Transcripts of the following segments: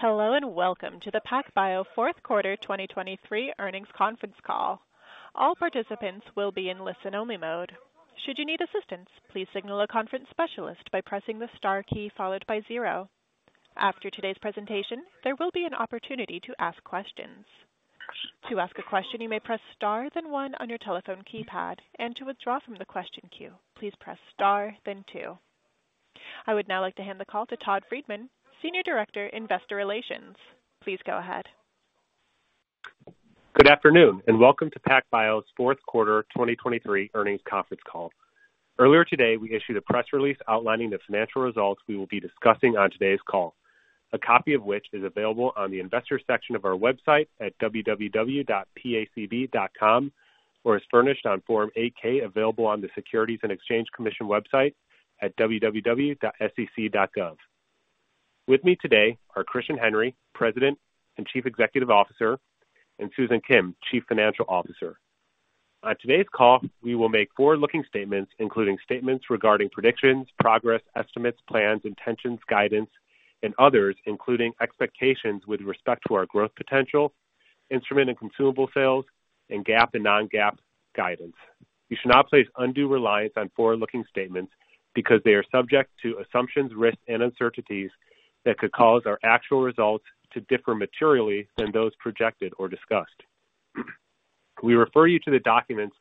Hello and welcome to the PacBio fourth quarter 2023 earnings conference call. All participants will be in listen-only mode. Should you need assistance, please signal a conference specialist by pressing the star key followed by zero. After today's presentation, there will be an opportunity to ask questions. To ask a question, you may press star then one on your telephone keypad, and to withdraw from the question queue, please press star then two. I would now like to hand the call to Todd Friedman, Senior Director, Investor Relations. Please go ahead. Good afternoon and welcome to PacBio's fourth quarter 2023 earnings conference call. Earlier today, we issued a press release outlining the financial results we will be discussing on today's call, a copy of which is available on the investor section of our website at www.pacb.com or is furnished on Form 8-K available on the Securities and Exchange Commission website at www.sec.gov. With me today are Christian Henry, President and Chief Executive Officer, and Susan Kim, Chief Financial Officer. On today's call, we will make forward-looking statements including statements regarding predictions, progress, estimates, plans, intentions, guidance, and others including expectations with respect to our growth potential, instrument and consumable sales, and GAAP and non-GAAP guidance. You should not place undue reliance on forward-looking statements because they are subject to assumptions, risks, and uncertainties that could cause our actual results to differ materially than those projected or discussed. We refer you to the documents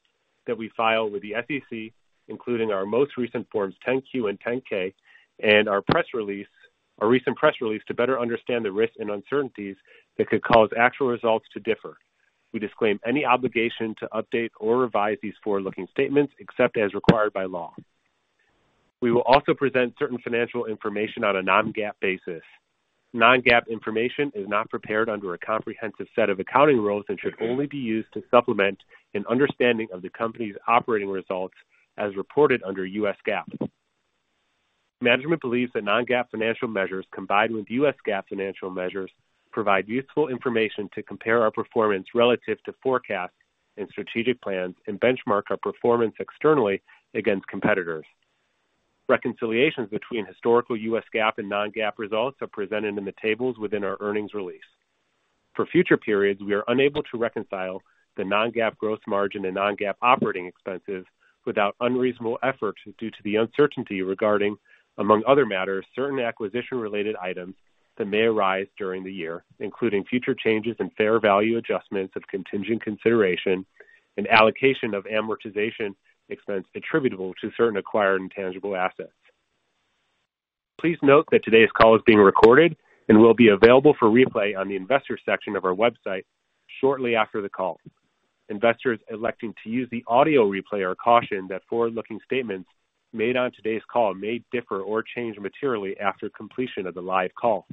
that we file with the SEC including our most recent Forms 10-Q and 10-K and our recent press release to better understand the risks and uncertainties that could cause actual results to differ. We disclaim any obligation to update or revise these forward-looking statements except as required by law. We will also present certain financial information on a non-GAAP basis. Non-GAAP information is not prepared under a comprehensive set of accounting rules and should only be used to supplement an understanding of the company's operating results as reported under U.S. GAAP. Management believes that non-GAAP financial measures combined with U.S. GAAP financial measures provide useful information to compare our performance relative to forecasts and strategic plans and benchmark our performance externally against competitors. Reconciliations between historical U.S. GAAP and non-GAAP results are presented in the tables within our earnings release. For future periods, we are unable to reconcile the non-GAAP gross margin and non-GAAP operating expenses without unreasonable efforts due to the uncertainty regarding, among other matters, certain acquisition-related items that may arise during the year including future changes and fair value adjustments of contingent consideration and allocation of amortization expense attributable to certain acquired intangible assets. Please note that today's call is being recorded and will be available for replay on the investor section of our website shortly after the call. Investors electing to use the audio replay are cautioned that forward-looking statements made on today's call may differ or change materially after completion of the live call.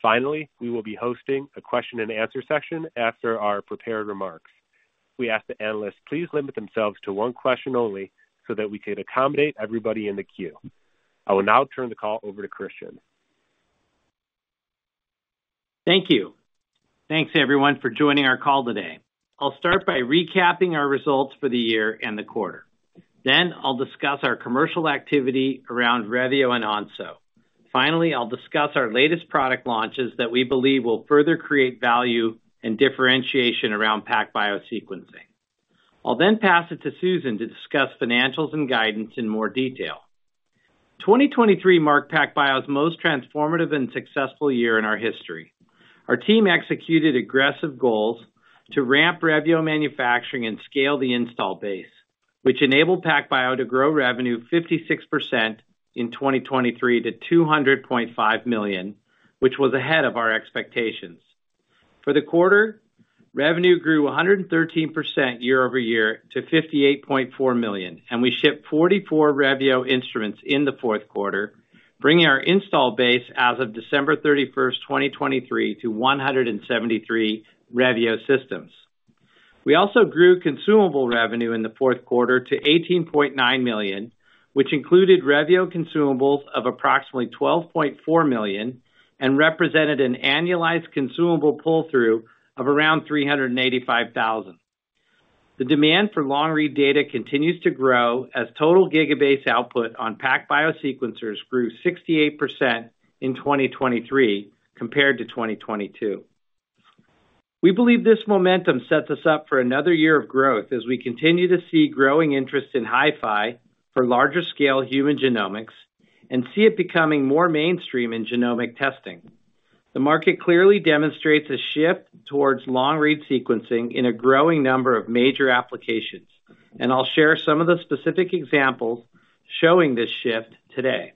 Finally, we will be hosting a question and answer section after our prepared remarks. We ask the analysts please limit themselves to one question only so that we can accommodate everybody in the queue. I will now turn the call over to Christian. Thank you. Thanks, everyone, for joining our call today. I'll start by recapping our results for the year and the quarter. Then I'll discuss our commercial activity around Revio and Onso. Finally, I'll discuss our latest product launches that we believe will further create value and differentiation around PacBio sequencing. I'll then pass it to Susan to discuss financials and guidance in more detail. 2023 marked PacBio's most transformative and successful year in our history. Our team executed aggressive goals to ramp Revio manufacturing and scale the install base, which enabled PacBio to grow revenue 56% in 2023 to $200.5 million, which was ahead of our expectations. For the quarter, revenue grew 113% year-over-year to $58.4 million, and we shipped 44 Revio instruments in the fourth quarter, bringing our install base as of December 31st, 2023, to 173 Revio systems. We also grew consumable revenue in the fourth quarter to $18.9 million, which included Revio consumables of approximately $12.4 million and represented an annualized consumable pull-through of around $385,000. The demand for long-read data continues to grow as total gigabase output on PacBio sequencers grew 68% in 2023 compared to 2022. We believe this momentum sets us up for another year of growth as we continue to see growing interest in HiFi for larger-scale human genomics and see it becoming more mainstream in genomic testing. The market clearly demonstrates a shift towards long-read sequencing in a growing number of major applications, and I'll share some of the specific examples showing this shift today.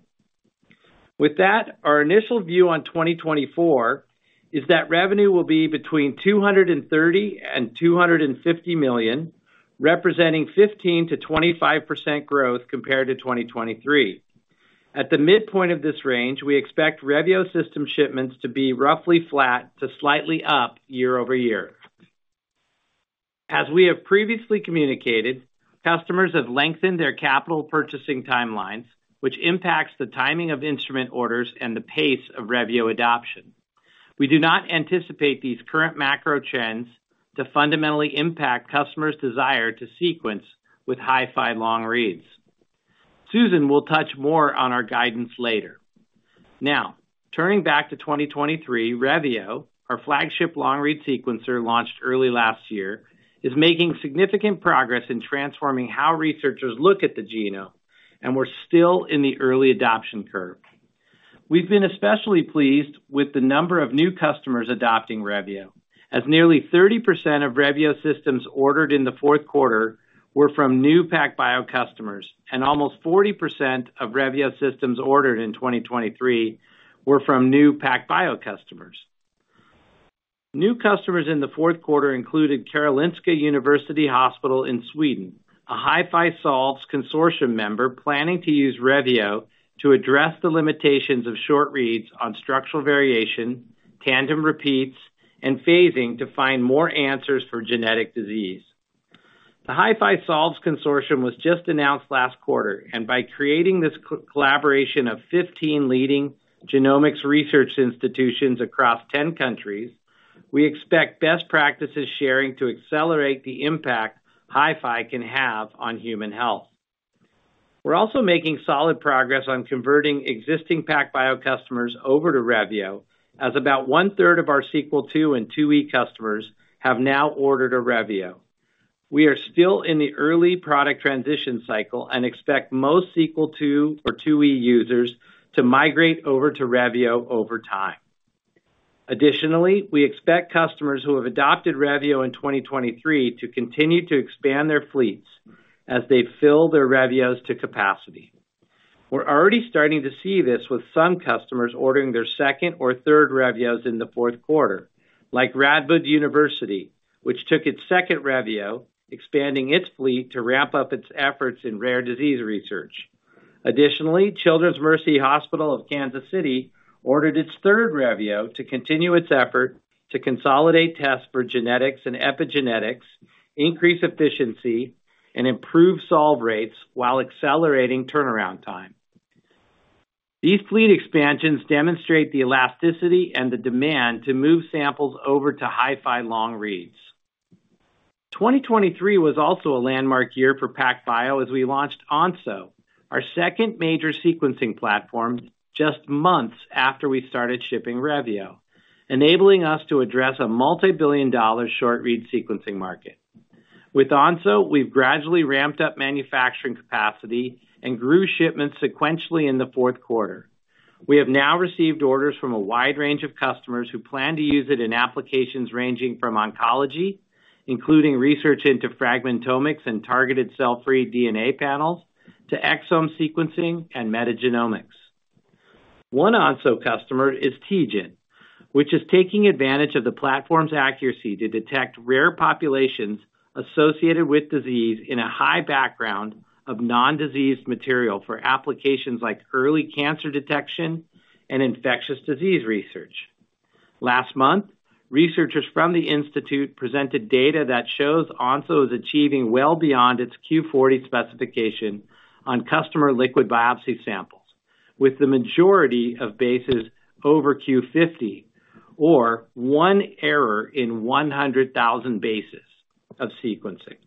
With that, our initial view on 2024 is that revenue will be between $230 million and $250 million, representing 15%-25% growth compared to 2023. At the midpoint of this range, we expect Revio system shipments to be roughly flat to slightly up year-over-year. As we have previously communicated, customers have lengthened their capital purchasing timelines, which impacts the timing of instrument orders and the pace of Revio adoption. We do not anticipate these current macro trends to fundamentally impact customers' desire to sequence with HiFi long reads. Susan will touch more on our guidance later. Now, turning back to 2023, Revio, our flagship long-read sequencer launched early last year, is making significant progress in transforming how researchers look at the genome, and we're still in the early adoption curve. We've been especially pleased with the number of new customers adopting Revio, as nearly 30% of Revio systems ordered in the fourth quarter were from new PacBio customers, and almost 40% of Revio systems ordered in 2023 were from new PacBio customers. New customers in the fourth quarter included Karolinska University Hospital in Sweden, a HiFi Solves Consortium member planning to use Revio to address the limitations of short reads on structural variation, tandem repeats, and phasing to find more answers for genetic disease. The HiFi Solves Consortium was just announced last quarter, and by creating this collaboration of 15 leading genomics research institutions across 10 countries, we expect best practices sharing to accelerate the impact HiFi can have on human health. We're also making solid progress on converting existing PacBio customers over to Revio, as about one-third of our Sequel II and IIe customers have now ordered a Revio. We are still in the early product transition cycle and expect most Sequel II or IIe users to migrate over to Revio over time. Additionally, we expect customers who have adopted Revio in 2023 to continue to expand their fleets as they fill their Revios to capacity. We're already starting to see this with some customers ordering their second or third Revios in the fourth quarter, like Radboud University, which took its second Revio, expanding its fleet to ramp up its efforts in rare disease research. Additionally, Children's Mercy Hospital of Kansas City ordered its third Revio to continue its effort to consolidate tests for genetics and epigenetics, increase efficiency, and improve solve rates while accelerating turnaround time. These fleet expansions demonstrate the elasticity and the demand to move samples over to HiFi long-reads. 2023 was also a landmark year for PacBio as we launched Onso, our second major sequencing platform just months after we started shipping Revio, enabling us to address a multibillion-dollar short-read sequencing market. With Onso, we've gradually ramped up manufacturing capacity and grew shipments sequentially in the fourth quarter. We have now received orders from a wide range of customers who plan to use it in applications ranging from oncology, including research into fragmentomics and targeted cell-free DNA panels, to exome sequencing and metagenomics. One Onso customer is TGen, which is taking advantage of the platform's accuracy to detect rare populations associated with disease in a high background of non-diseased material for applications like early cancer detection and infectious disease research. Last month, researchers from the institute presented data that shows Onso is achieving well beyond its Q40 specification on customer liquid biopsy samples, with the majority of bases over Q50 or one error in 100,000 bases of sequencing.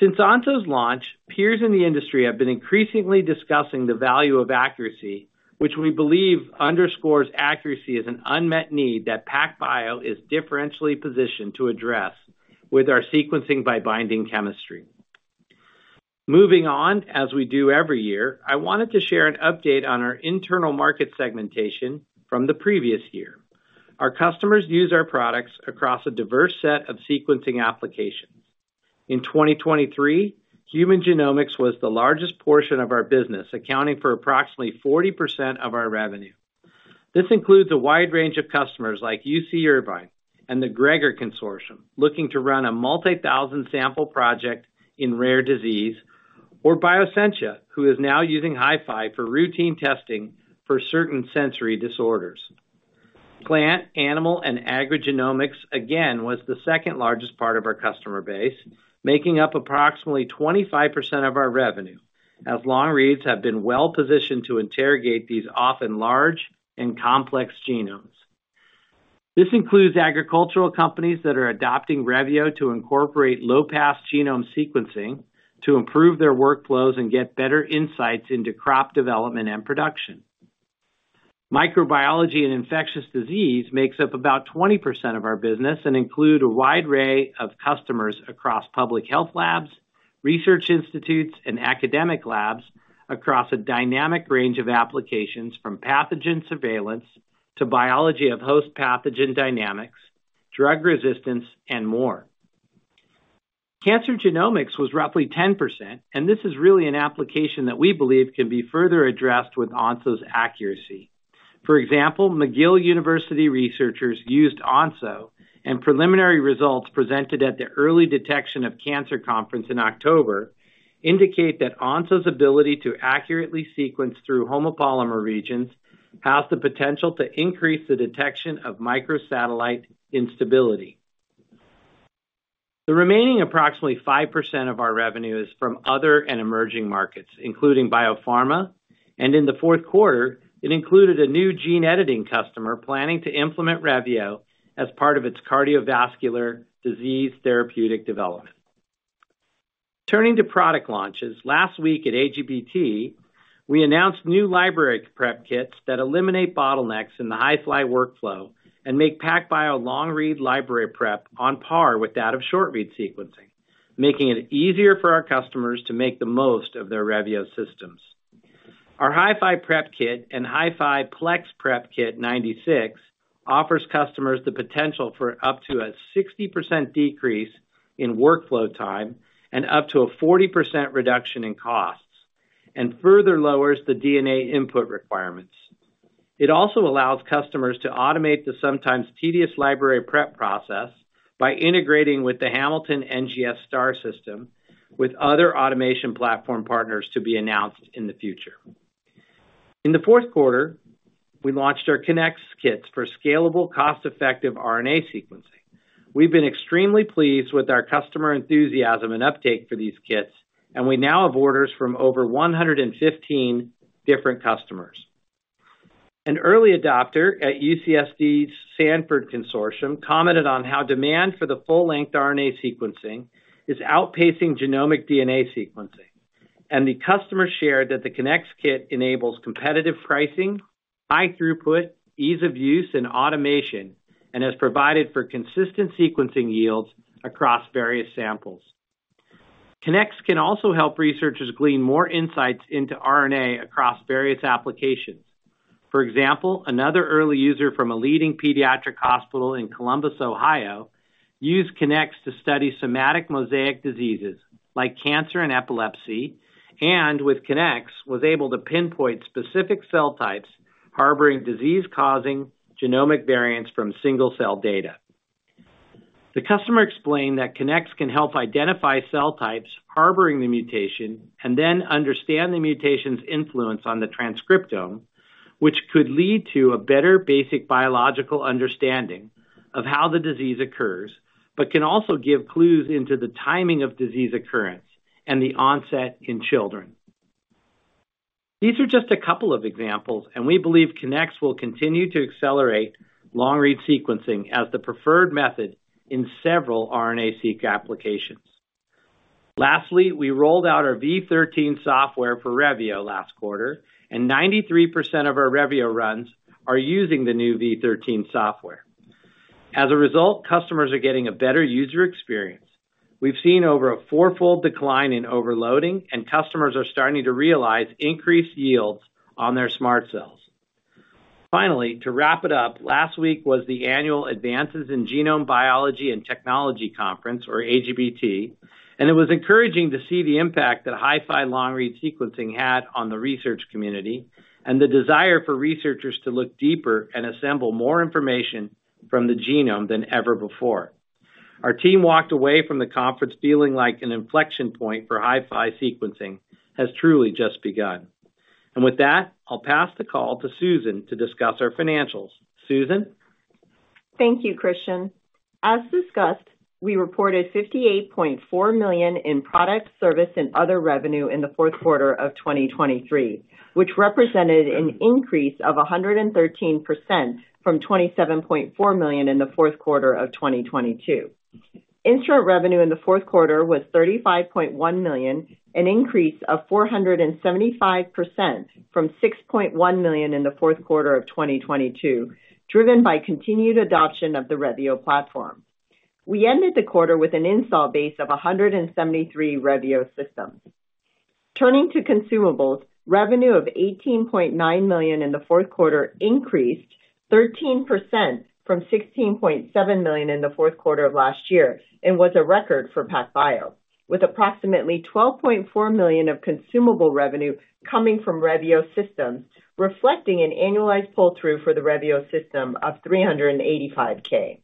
Since Onso's launch, peers in the industry have been increasingly discussing the value of accuracy, which we believe underscores accuracy as an unmet need that PacBio is differentially positioned to address with our sequencing by binding chemistry. Moving on, as we do every year, I wanted to share an update on our internal market segmentation from the previous year. Our customers use our products across a diverse set of sequencing applications. In 2023, human genomics was the largest portion of our business, accounting for approximately 40% of our revenue. This includes a wide range of customers like UC Irvine and the GREGoR Consortium looking to run a multi-thousand-sample project in rare disease, or Bioscientia, who is now using HiFi for routine testing for certain sensory disorders. Plant, animal, and agrigenomics again was the second largest part of our customer base, making up approximately 25% of our revenue as long-reads have been well positioned to interrogate these often large and complex genomes. This includes agricultural companies that are adopting Revio to incorporate low-pass genome sequencing to improve their workflows and get better insights into crop development and production. Microbiology and infectious disease makes up about 20% of our business and includes a wide array of customers across public health labs, research institutes, and academic labs across a dynamic range of applications from pathogen surveillance to biology of host-pathogen dynamics, drug resistance, and more. Cancer genomics was roughly 10%, and this is really an application that we believe can be further addressed with Onso's accuracy. For example, McGill University researchers used Onso, and preliminary results presented at the early detection of cancer conference in October indicate that Onso's ability to accurately sequence through homopolymer regions has the potential to increase the detection of microsatellite instability. The remaining approximately 5% of our revenue is from other and emerging markets, including biopharma, and in the fourth quarter, it included a new gene editing customer planning to implement Revio as part of its cardiovascular disease therapeutic development. Turning to product launches, last week at AGBT, we announced new library prep kits that eliminate bottlenecks in the HiFi workflow and make PacBio long-read library prep on par with that of short-read sequencing, making it easier for our customers to make the most of their Revio systems. Our HiFi Prep Kit and HiFi Plex Prep Kit 96 offers customers the potential for up to a 60% decrease in workflow time and up to a 40% reduction in costs, and further lowers the DNA input requirements. It also allows customers to automate the sometimes tedious library prep process by integrating with the Hamilton NGS STAR system with other automation platform partners to be announced in the future. In the fourth quarter, we launched our Kinnex kits for scalable, cost-effective RNA sequencing. We've been extremely pleased with our customer enthusiasm and uptake for these kits, and we now have orders from over 115 different customers. An early adopter at UCSD's Sanford Consortium commented on how demand for the full-length RNA sequencing is outpacing genomic DNA sequencing, and the customer shared that the Kinnex kit enables competitive pricing, high throughput, ease of use, and automation, and has provided for consistent sequencing yields across various samples. Kinnex can also help researchers glean more insights into RNA across various applications. For example, another early user from a leading pediatric hospital in Columbus, Ohio, used Kinnex to study somatic mosaic diseases like cancer and epilepsy, and with Kinnex was able to pinpoint specific cell types harboring disease-causing genomic variants from single-cell data. The customer explained that Kinnex can help identify cell types harboring the mutation and then understand the mutation's influence on the transcriptome, which could lead to a better basic biological understanding of how the disease occurs but can also give clues into the timing of disease occurrence and the onset in children. These are just a couple of examples, and we believe Kinnex will continue to accelerate long-read sequencing as the preferred method in several RNAseq applications. Lastly, we rolled out our v13 software for Revio last quarter, and 93% of our Revio runs are using the new v13 software. As a result, customers are getting a better user experience. We've seen over a fourfold decline in overloading, and customers are starting to realize increased yields on their SMRT cells. Finally, to wrap it up, last week was the annual Advances in Genome Biology and Technology Conference, or AGBT, and it was encouraging to see the impact that HiFi long-read sequencing had on the research community and the desire for researchers to look deeper and assemble more information from the genome than ever before. Our team walked away from the conference feeling like an inflection point for HiFi sequencing has truly just begun. And with that, I'll pass the call to Susan to discuss our financials. Susan? Thank you, Christian. As discussed, we reported $58.4 million in product, service, and other revenue in the fourth quarter of 2023, which represented an increase of 113% from $27.4 million in the fourth quarter of 2022. Instrument revenue in the fourth quarter was $35.1 million, an increase of 475% from $6.1 million in the fourth quarter of 2022, driven by continued adoption of the Revio platform. We ended the quarter with an installed base of 173 Revio systems. Turning to consumables, revenue of $18.9 million in the fourth quarter increased 13% from $16.7 million in the fourth quarter of last year and was a record for PacBio, with approximately $12.4 million of consumable revenue coming from Revio systems, reflecting an annualized pull-through for the Revio system of $385K,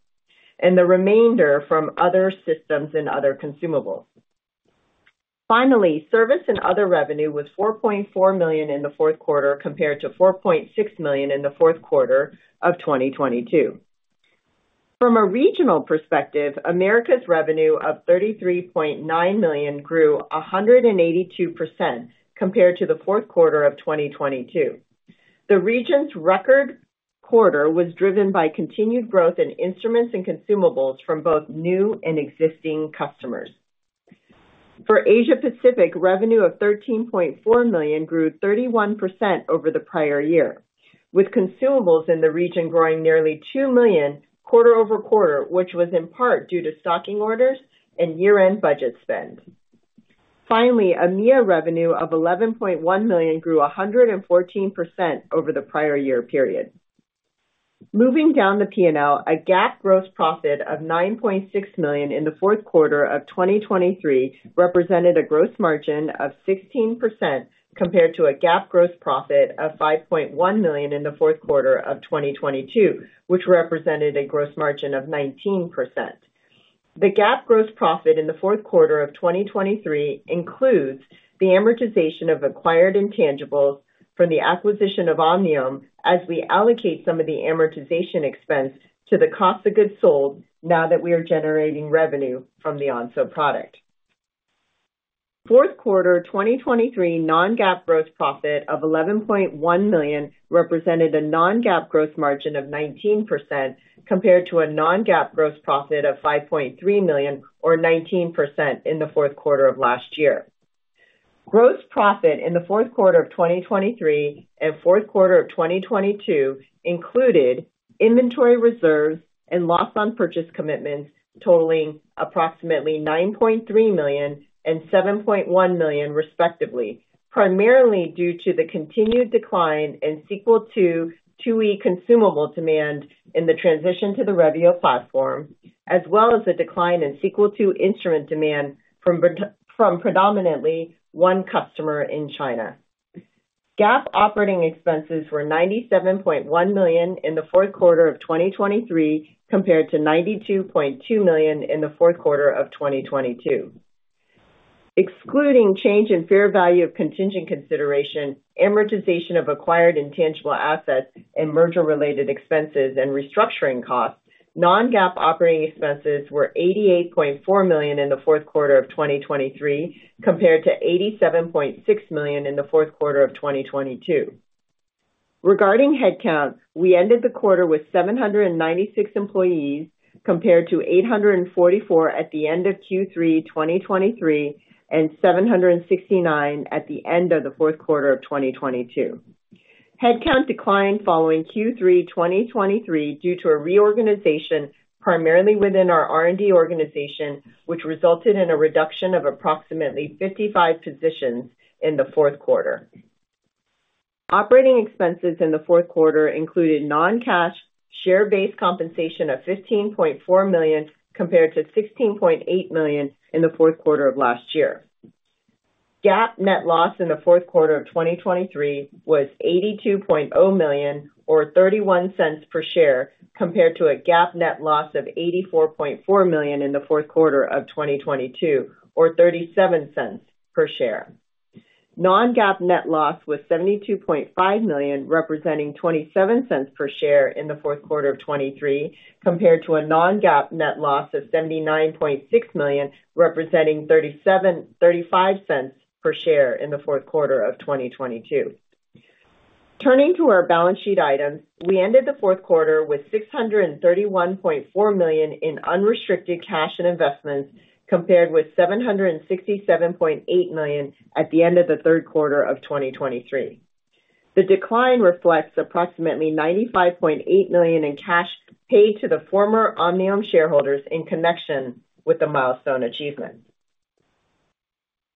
and the remainder from other systems and other consumables. Finally, service and other revenue was $4.4 million in the fourth quarter compared to $4.6 million in the fourth quarter of 2022. From a regional perspective, Americas revenue of $33.9 million grew 182% compared to the fourth quarter of 2022. The region's record quarter was driven by continued growth in instruments and consumables from both new and existing customers. For Asia-Pacific, revenue of $13.4 million grew 31% over the prior year, with consumables in the region growing nearly $2 million quarter-over-quarter, which was in part due to stocking orders and year-end budget spend. Finally, EMEA revenue of $11.1 million grew 114% over the prior year period. Moving down the P&L, a GAAP gross profit of $9.6 million in the fourth quarter of 2023 represented a gross margin of 16% compared to a GAAP gross profit of $5.1 million in the fourth quarter of 2022, which represented a gross margin of 19%. The GAAP gross profit in the fourth quarter of 2023 includes the amortization of acquired intangibles from the acquisition of Omniome as we allocate some of the amortization expense to the cost of goods sold now that we are generating revenue from the Onso product. Fourth quarter 2023 non-GAAP gross profit of $11.1 million represented a non-GAAP gross margin of 19% compared to a non-GAAP gross profit of $5.3 million or 19% in the fourth quarter of last year. Gross profit in the fourth quarter of 2023 and fourth quarter of 2022 included inventory reserves and loss-on-purchase commitments totaling approximately $9.3 million and $7.1 million, respectively, primarily due to the continued decline in Sequel IIe consumable demand in the transition to the Revio platform, as well as the decline in Sequel IIe instrument demand from predominantly one customer in China. GAAP operating expenses were $97.1 million in the fourth quarter of 2023 compared to $92.2 million in the fourth quarter of 2022. Excluding change in fair value of contingent consideration, amortization of acquired intangible assets, and merger-related expenses and restructuring costs, non-GAAP operating expenses were $88.4 million in the fourth quarter of 2023 compared to $87.6 million in the fourth quarter of 2022. Regarding headcount, we ended the quarter with 796 employees compared to 844 at the end of Q3 2023 and 769 at the end of the fourth quarter of 2022. Headcount declined following Q3 2023 due to a reorganization primarily within our R&D organization, which resulted in a reduction of approximately 55 positions in the fourth quarter. Operating expenses in the fourth quarter included non-cash share-based compensation of $15.4 million compared to $16.8 million in the fourth quarter of last year. GAAP net loss in the fourth quarter of 2023 was $82.0 million or $0.31 per share compared to a GAAP net loss of $84.4 million in the fourth quarter of 2022 or $0.37 per share. Non-GAAP net loss was $72.5 million, representing $0.27 per share in the fourth quarter of 2023, compared to a non-GAAP net loss of $79.6 million, representing $0.35 per share in the fourth quarter of 2022. Turning to our balance sheet items, we ended the fourth quarter with $631.4 million in unrestricted cash and investments compared with $767.8 million at the end of the third quarter of 2023. The decline reflects approximately $95.8 million in cash paid to the former Omniome shareholders in connection with the milestone achievement.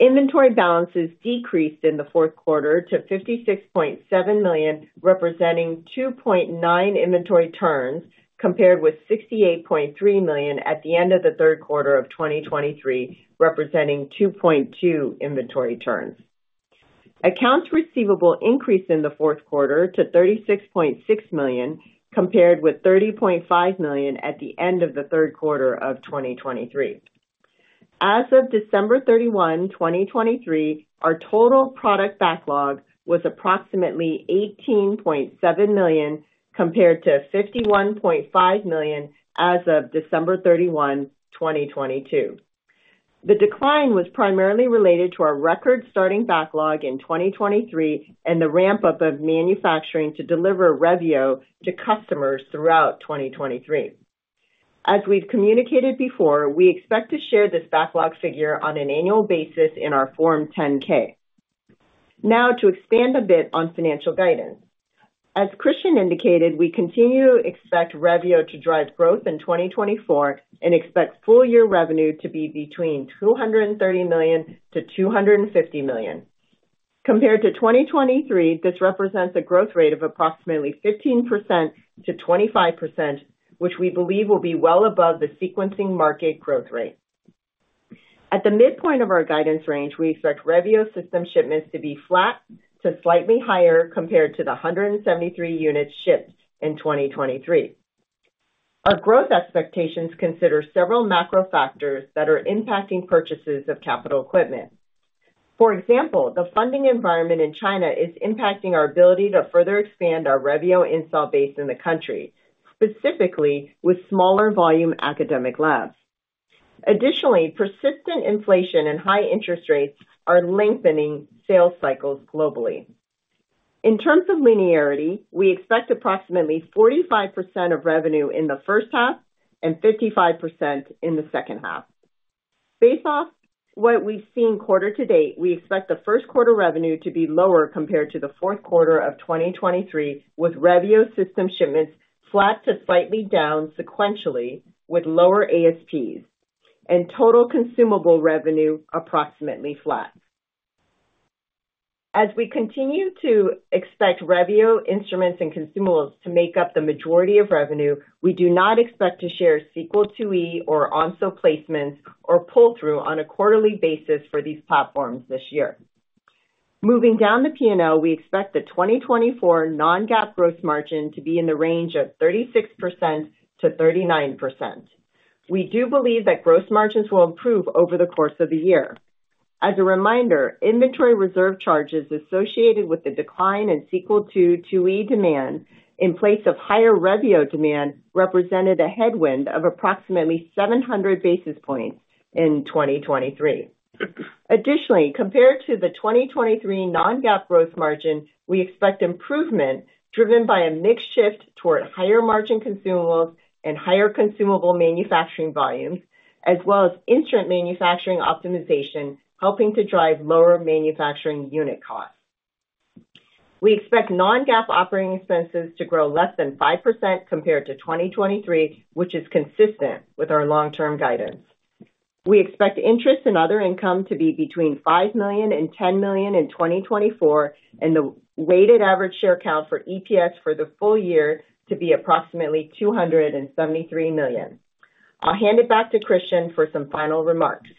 Inventory balances decreased in the fourth quarter to $56.7 million, representing 2.9 inventory turns compared with $68.3 million at the end of the third quarter of 2023, representing 2.2 inventory turns. Accounts receivable increased in the fourth quarter to $36.6 million compared with $30.5 million at the end of the third quarter of 2023. As of December 31, 2023, our total product backlog was approximately $18.7 million compared to $51.5 million as of December 31, 2022. The decline was primarily related to our record starting backlog in 2023 and the ramp-up of manufacturing to deliver Revio to customers throughout 2023. As we've communicated before, we expect to share this backlog figure on an annual basis in our Form 10-K. Now, to expand a bit on financial guidance. As Christian indicated, we continue to expect Revio to drive growth in 2024 and expect full-year revenue to be between $230 million-$250 million. Compared to 2023, this represents a growth rate of approximately 15%-25%, which we believe will be well above the sequencing market growth rate. At the midpoint of our guidance range, we expect Revio system shipments to be flat to slightly higher compared to the 173 units shipped in 2023. Our growth expectations consider several macro factors that are impacting purchases of capital equipment. For example, the funding environment in China is impacting our ability to further expand our Revio install base in the country, specifically with smaller volume academic labs. Additionally, persistent inflation and high interest rates are lengthening sales cycles globally. In terms of linearity, we expect approximately 45% of revenue in the first half and 55% in the second half. Based off what we've seen quarter to date, we expect the first quarter revenue to be lower compared to the fourth quarter of 2023, with Revio system shipments flat to slightly down sequentially, with lower ASPs, and total consumable revenue approximately flat. As we continue to expect Revio instruments and consumables to make up the majority of revenue, we do not expect to share Sequel IIe or Onso placements or pull-through on a quarterly basis for these platforms this year. Moving down the P&L, we expect the 2024 non-GAAP gross margin to be in the range of 36%-39%. We do believe that gross margins will improve over the course of the year. As a reminder, inventory reserve charges associated with the decline in Sequel IIe demand in place of higher Revio demand represented a headwind of approximately 700 basis points in 2023. Additionally, compared to the 2023 non-GAAP gross margin, we expect improvement driven by a mixed shift toward higher margin consumables and higher consumable manufacturing volumes, as well as instrument manufacturing optimization helping to drive lower manufacturing unit costs. We expect non-GAAP operating expenses to grow less than 5% compared to 2023, which is consistent with our long-term guidance. We expect interest and other income to be between $5 million-$10 million in 2024, and the weighted average share count for EPS for the full year to be approximately 273 million. I'll hand it back to Christian for some final remarks.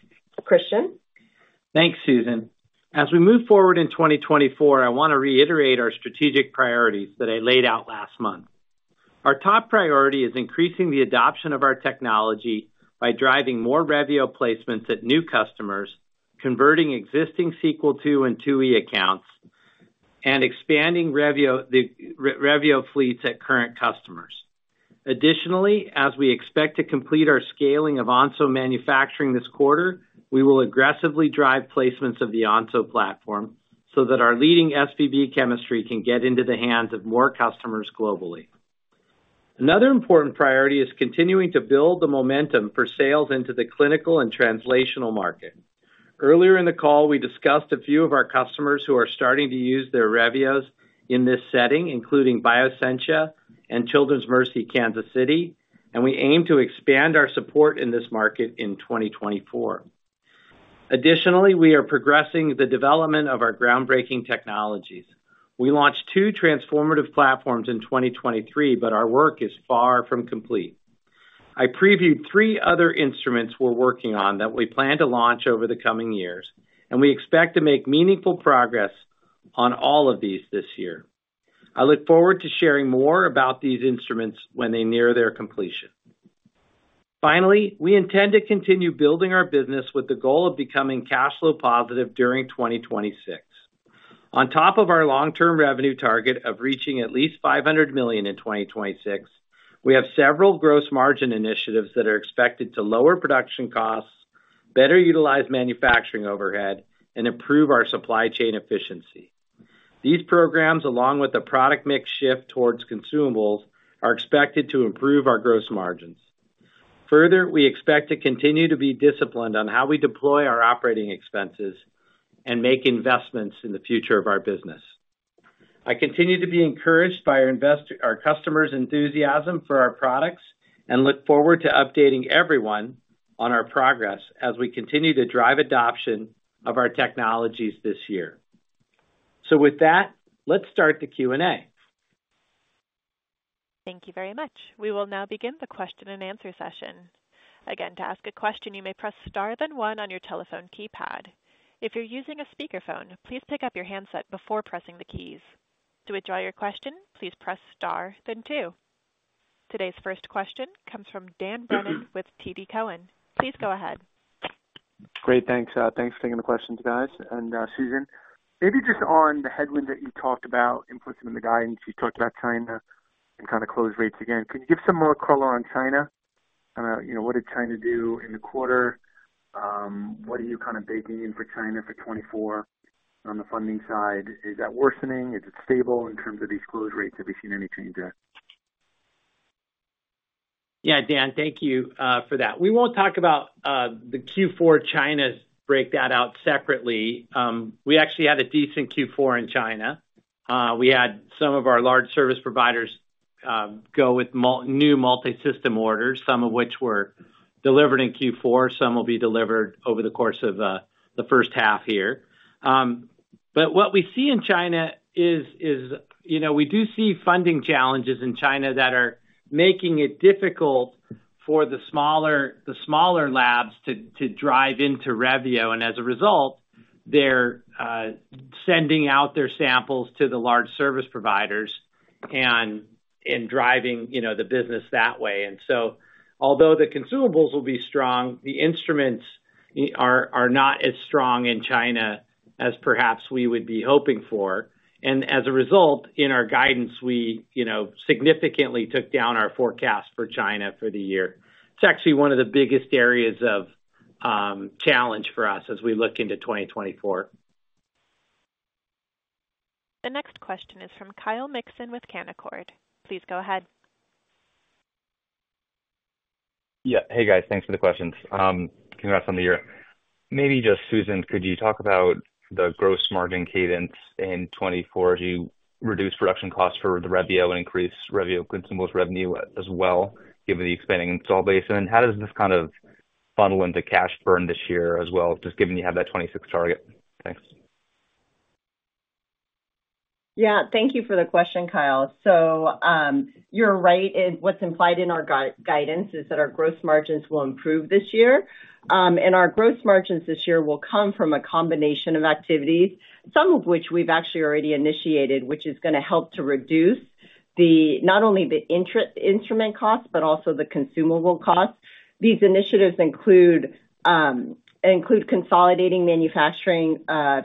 Christian? Thanks, Susan. As we move forward in 2024, I want to reiterate our strategic priorities that I laid out last month. Our top priority is increasing the adoption of our technology by driving more Revio placements at new customers, converting existing Sequel II and IIe accounts, and expanding Revio fleets at current customers. Additionally, as we expect to complete our scaling of Onso manufacturing this quarter, we will aggressively drive placements of the Onso platform so that our leading SBB chemistry can get into the hands of more customers globally. Another important priority is continuing to build the momentum for sales into the clinical and translational market. Earlier in the call, we discussed a few of our customers who are starting to use their Revios in this setting, including Bioscientia and Children's Mercy Kansas City, and we aim to expand our support in this market in 2024. Additionally, we are progressing the development of our groundbreaking technologies. We launched two transformative platforms in 2023, but our work is far from complete. I previewed three other instruments we're working on that we plan to launch over the coming years, and we expect to make meaningful progress on all of these this year. I look forward to sharing more about these instruments when they near their completion. Finally, we intend to continue building our business with the goal of becoming cash flow positive during 2026. On top of our long-term revenue target of reaching at least $500 million in 2026, we have several gross margin initiatives that are expected to lower production costs, better utilize manufacturing overhead, and improve our supply chain efficiency. These programs, along with a product mix shift towards consumables, are expected to improve our gross margins. Further, we expect to continue to be disciplined on how we deploy our operating expenses and make investments in the future of our business. I continue to be encouraged by our customers' enthusiasm for our products and look forward to updating everyone on our progress as we continue to drive adoption of our technologies this year. With that, let's start the Q&A. Thank you very much. We will now begin the question and answer session. Again, to ask a question, you may press star then one on your telephone keypad. If you're using a speakerphone, please pick up your handset before pressing the keys. To address your question, please press star then two. Today's first question comes from Dan Brennan with TD Cowen. Please go ahead. Great. Thanks. Thanks for taking the question, guys. And Susan, maybe just on the headwind that you talked about in pushing the guidance, you talked about China and kind of closed rates again. Can you give some more color on China? What did China do in the quarter? What are you kind of baking in for China for 2024 on the funding side? Is that worsening? Is it stable in terms of these closed rates? Have you seen any change there? Yeah, Dan, thank you for that. We won't break the Q4 China out separately. We actually had a decent Q4 in China. We had some of our large service providers go with new multi-system orders, some of which were delivered in Q4. Some will be delivered over the course of the first half here. But what we see in China is we do see funding challenges in China that are making it difficult for the smaller labs to drive into Revio. And as a result, they're sending out their samples to the large service providers and driving the business that way. And so although the consumables will be strong, the instruments are not as strong in China as perhaps we would be hoping for. And as a result, in our guidance, we significantly took down our forecast for China for the year. It's actually one of the biggest areas of challenge for us as we look into 2024. The next question is from Kyle Mikson with Canaccord. Please go ahead. Yeah. Hey, guys. Thanks for the questions. Congrats on the year. Maybe just Susan, could you talk about the gross margin cadence in 2024 as you reduce production costs for the Revio and increase Revio consumables revenue as well, given the expanding install base? And then how does this kind of funnel into cash burn this year as well, just given you have that 26 target? Thanks. Yeah. Thank you for the question, Kyle. You're right in what's implied in our guidance is that our gross margins will improve this year. Our gross margins this year will come from a combination of activities, some of which we've actually already initiated, which is going to help to reduce not only the instrument costs but also the consumable costs. These initiatives include consolidating manufacturing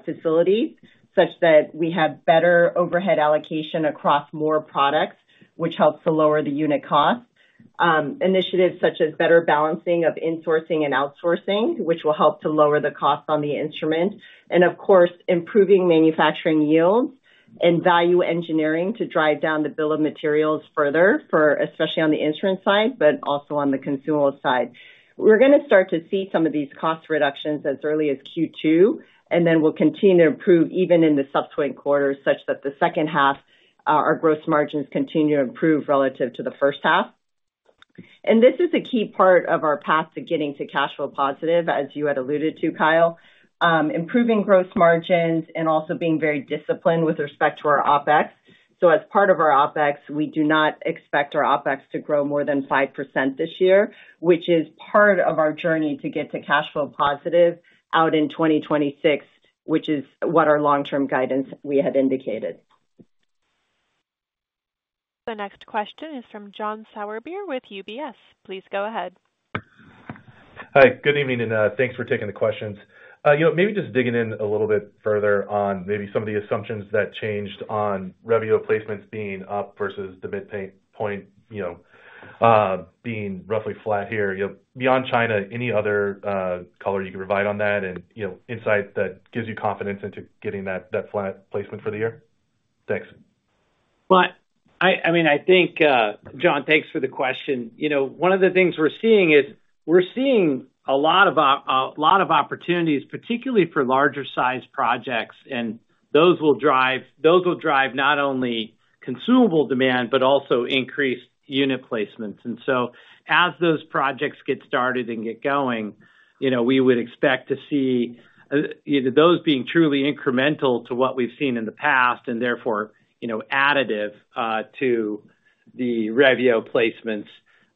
facilities such that we have better overhead allocation across more products, which helps to lower the unit cost. Initiatives such as better balancing of insourcing and outsourcing, which will help to lower the cost on the instrument. Of course, improving manufacturing yields and value engineering to drive down the bill of materials further, especially on the instrument side but also on the consumable side. We're going to start to see some of these cost reductions as early as Q2, and then we'll continue to improve even in the subsequent quarters such that the second half, our gross margins continue to improve relative to the first half. And this is a key part of our path to getting to cash flow positive, as you had alluded to, Kyle. Improving gross margins and also being very disciplined with respect to our OpEx. So as part of our OpEx, we do not expect our OpEx to grow more than 5% this year, which is part of our journey to get to cash flow positive out in 2026, which is what our long-term guidance we had indicated. The next question is from John Sourbeer with UBS. Please go ahead. Hi. Good evening, and thanks for taking the questions. Maybe just digging in a little bit further on maybe some of the assumptions that changed on Revio placements being up versus the midpoint being roughly flat here. Beyond China, any other color you could provide on that and insight that gives you confidence into getting that flat placement for the year? Thanks. Well, I mean, I think John, thanks for the question. One of the things we're seeing is we're seeing a lot of opportunities, particularly for larger-sized projects. And those will drive not only consumable demand but also increased unit placements. And so as those projects get started and get going, we would expect to see those being truly incremental to what we've seen in the past and therefore additive to the Revio placements.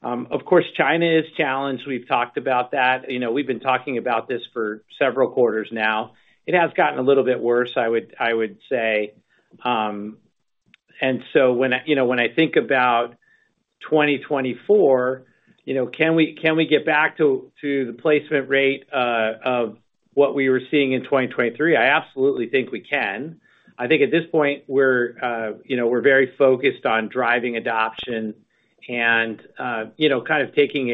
Of course, China is challenged. We've talked about that. We've been talking about this for several quarters now. It has gotten a little bit worse, I would say. And so when I think about 2024, can we get back to the placement rate of what we were seeing in 2023? I absolutely think we can. I think at this point, we're very focused on driving adoption and kind of taking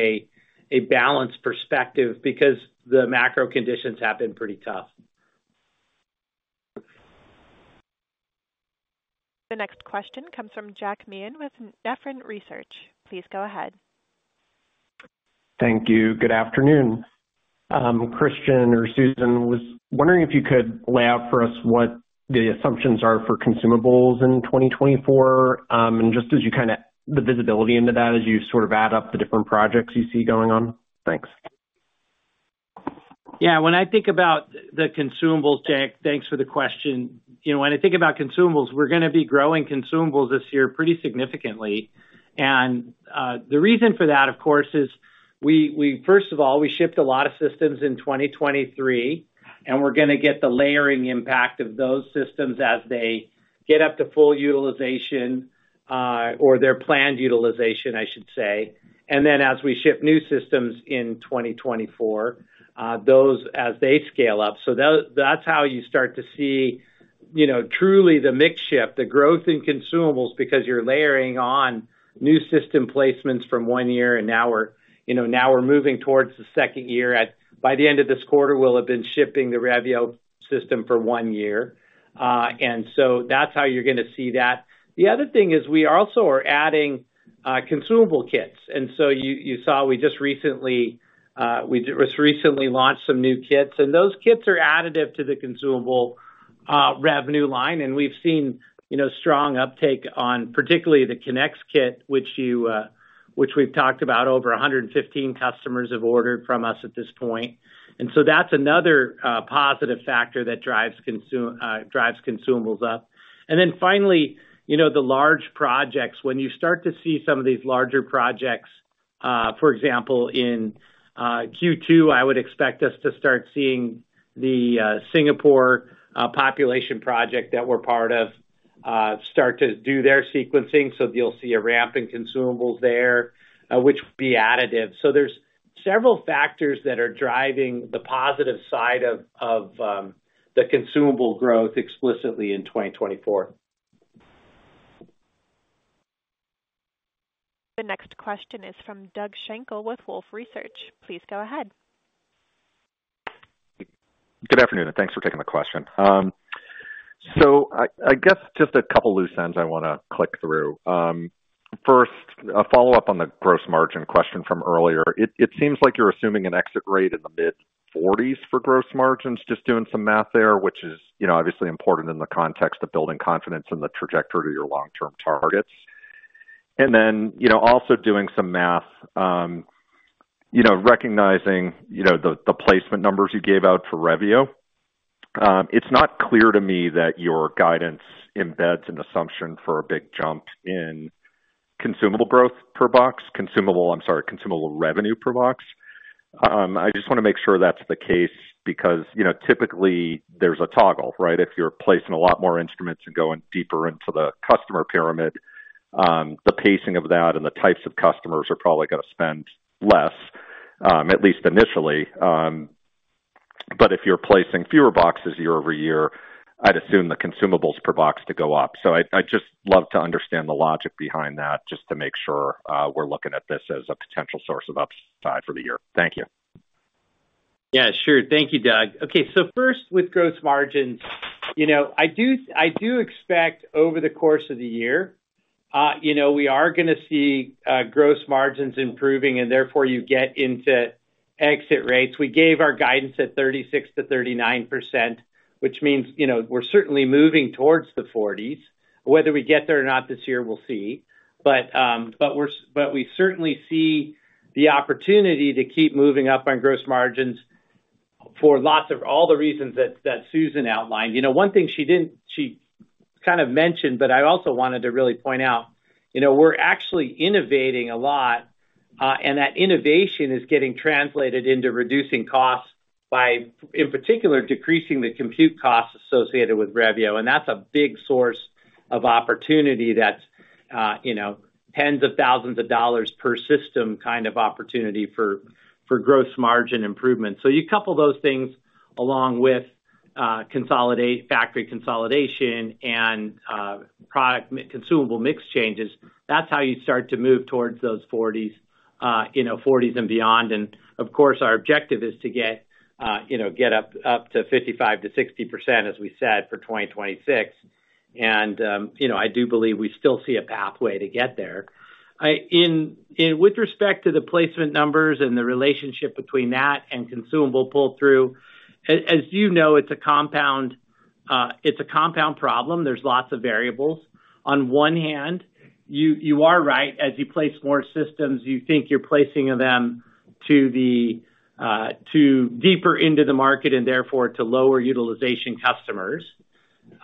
a balanced perspective because the macro conditions have been pretty tough. The next question comes from Jack Meehan with Nephron Research. Please go ahead. Thank you. Good afternoon. Christian or Susan, was wondering if you could lay out for us what the assumptions are for consumables in 2024 and just as you kind of the visibility into that as you sort of add up the different projects you see going on. Thanks. Yeah. When I think about the consumables, Jack, thanks for the question. When I think about consumables, we're going to be growing consumables this year pretty significantly. The reason for that, of course, is first of all, we shipped a lot of systems in 2023, and we're going to get the layering impact of those systems as they get up to full utilization or their planned utilization, I should say. Then as we ship new systems in 2024, those as they scale up. That's how you start to see truly the mix shift, the growth in consumables because you're layering on new system placements from one year, and now we're moving towards the second year. By the end of this quarter, we'll have been shipping the Revio system for one year. And so that's how you're going to see that. The other thing is we also are adding consumable kits. So you saw we just recently launched some new kits, and those kits are additive to the consumable revenue line. And we've seen strong uptake on particularly the Kinnex kit, which we've talked about. Over 115 customers have ordered from us at this point. And so that's another positive factor that drives consumables up. And then finally, the large projects. When you start to see some of these larger projects, for example, in Q2, I would expect us to start seeing the Singapore population project that we're part of start to do their sequencing. So you'll see a ramp in consumables there, which would be additive. So there's several factors that are driving the positive side of the consumable growth explicitly in 2024. The next question is from Doug Schenkel with Wolfe Research. Please go ahead. Good afternoon, and thanks for taking the question. So I guess just a couple of loose ends I want to click through. First, a follow-up on the gross margin question from earlier. It seems like you're assuming an exit rate in the mid-40s% for gross margins, just doing some math there, which is obviously important in the context of building confidence in the trajectory to your long-term targets. And then also doing some math recognizing the placement numbers you gave out for Revio. It's not clear to me that your guidance embeds an assumption for a big jump in consumable growth per box consumable, I'm sorry, consumable revenue per box. I just want to make sure that's the case because typically, there's a toggle, right? If you're placing a lot more instruments and going deeper into the customer pyramid, the pacing of that and the types of customers are probably going to spend less, at least initially. But if you're placing fewer boxes year-over-year, I'd assume the consumables per box to go up. So I'd just love to understand the logic behind that just to make sure we're looking at this as a potential source of upside for the year. Thank you. Yeah, sure. Thank you, Doug. Okay. So first, with gross margins, I do expect over the course of the year, we are going to see gross margins improving, and therefore, you get into exit rates. We gave our guidance at 36%-39%, which means we're certainly moving towards the 40s. Whether we get there or not this year, we'll see. But we certainly see the opportunity to keep moving up on gross margins for all the reasons that Susan outlined. One thing she kind of mentioned, but I also wanted to really point out, we're actually innovating a lot, and that innovation is getting translated into reducing costs by, in particular, decreasing the compute costs associated with Revio. And that's a big source of opportunity that's $10,000s per system kind of opportunity for gross margin improvement. So you couple those things along with factory consolidation and consumable mix changes, that's how you start to move towards those 40s and beyond. And of course, our objective is to get up to 55%-60%, as we said, for 2026. And I do believe we still see a pathway to get there. With respect to the placement numbers and the relationship between that and consumable pull-through, as you know, it's a compound problem. There's lots of variables. On one hand, you are right. As you place more systems, you think you're placing them deeper into the market and therefore to lower utilization customers.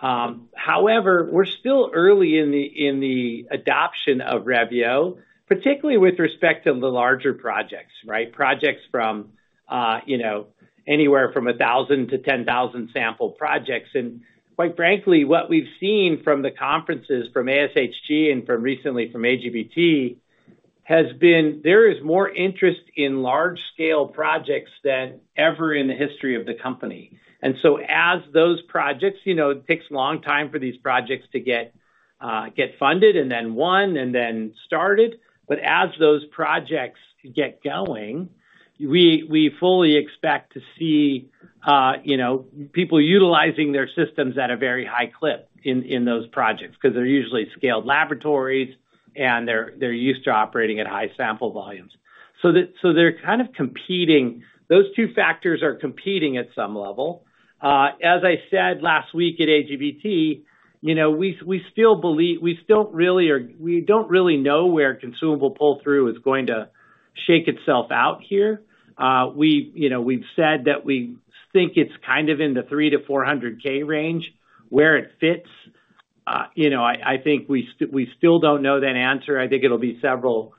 However, we're still early in the adoption of Revio, particularly with respect to the larger projects, right? Projects anywhere from 1,000-10,000 sample projects. And quite frankly, what we've seen from the conferences, from ASHG and recently from AGBT, has been there is more interest in large-scale projects than ever in the history of the company. And so as those projects it takes a long time for these projects to get funded and then won and then started. But as those projects get going, we fully expect to see people utilizing their systems at a very high clip in those projects because they're usually scaled laboratories, and they're used to operating at high sample volumes. So they're kind of competing those two factors are competing at some level. As I said last week at AGBT, we still believe we don't really know where consumable pull-through is going to shake itself out here. We've said that we think it's kind of in the 300,000-400,000 range where it fits. I think we still don't know that answer. I think it'll be several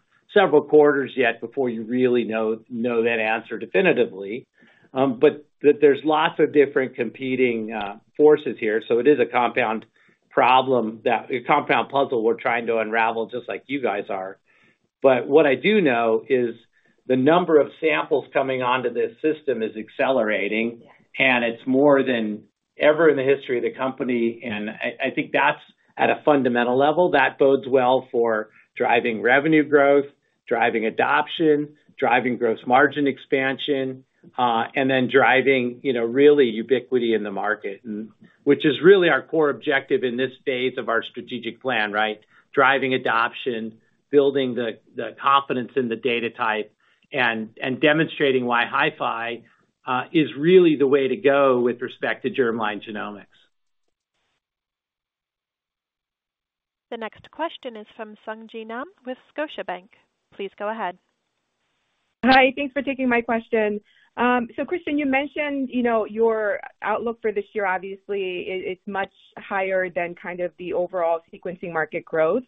quarters yet before you really know that answer definitively. But there's lots of different competing forces here. So it is a compound problem, a compound puzzle we're trying to unravel just like you guys are. But what I do know is the number of samples coming onto this system is accelerating, and it's more than ever in the history of the company. And I think that's at a fundamental level. That bodes well for driving revenue growth, driving adoption, driving gross margin expansion, and then driving really ubiquity in the market, which is really our core objective in this phase of our strategic plan, right? Driving adoption, building the confidence in the data type, and demonstrating why HiFi is really the way to go with respect to germline genomics. The next question is from Sung Ji Nam with Scotiabank. Please go ahead. Hi. Thanks for taking my question. So Christian, you mentioned your outlook for this year. Obviously, it's much higher than kind of the overall sequencing market growth.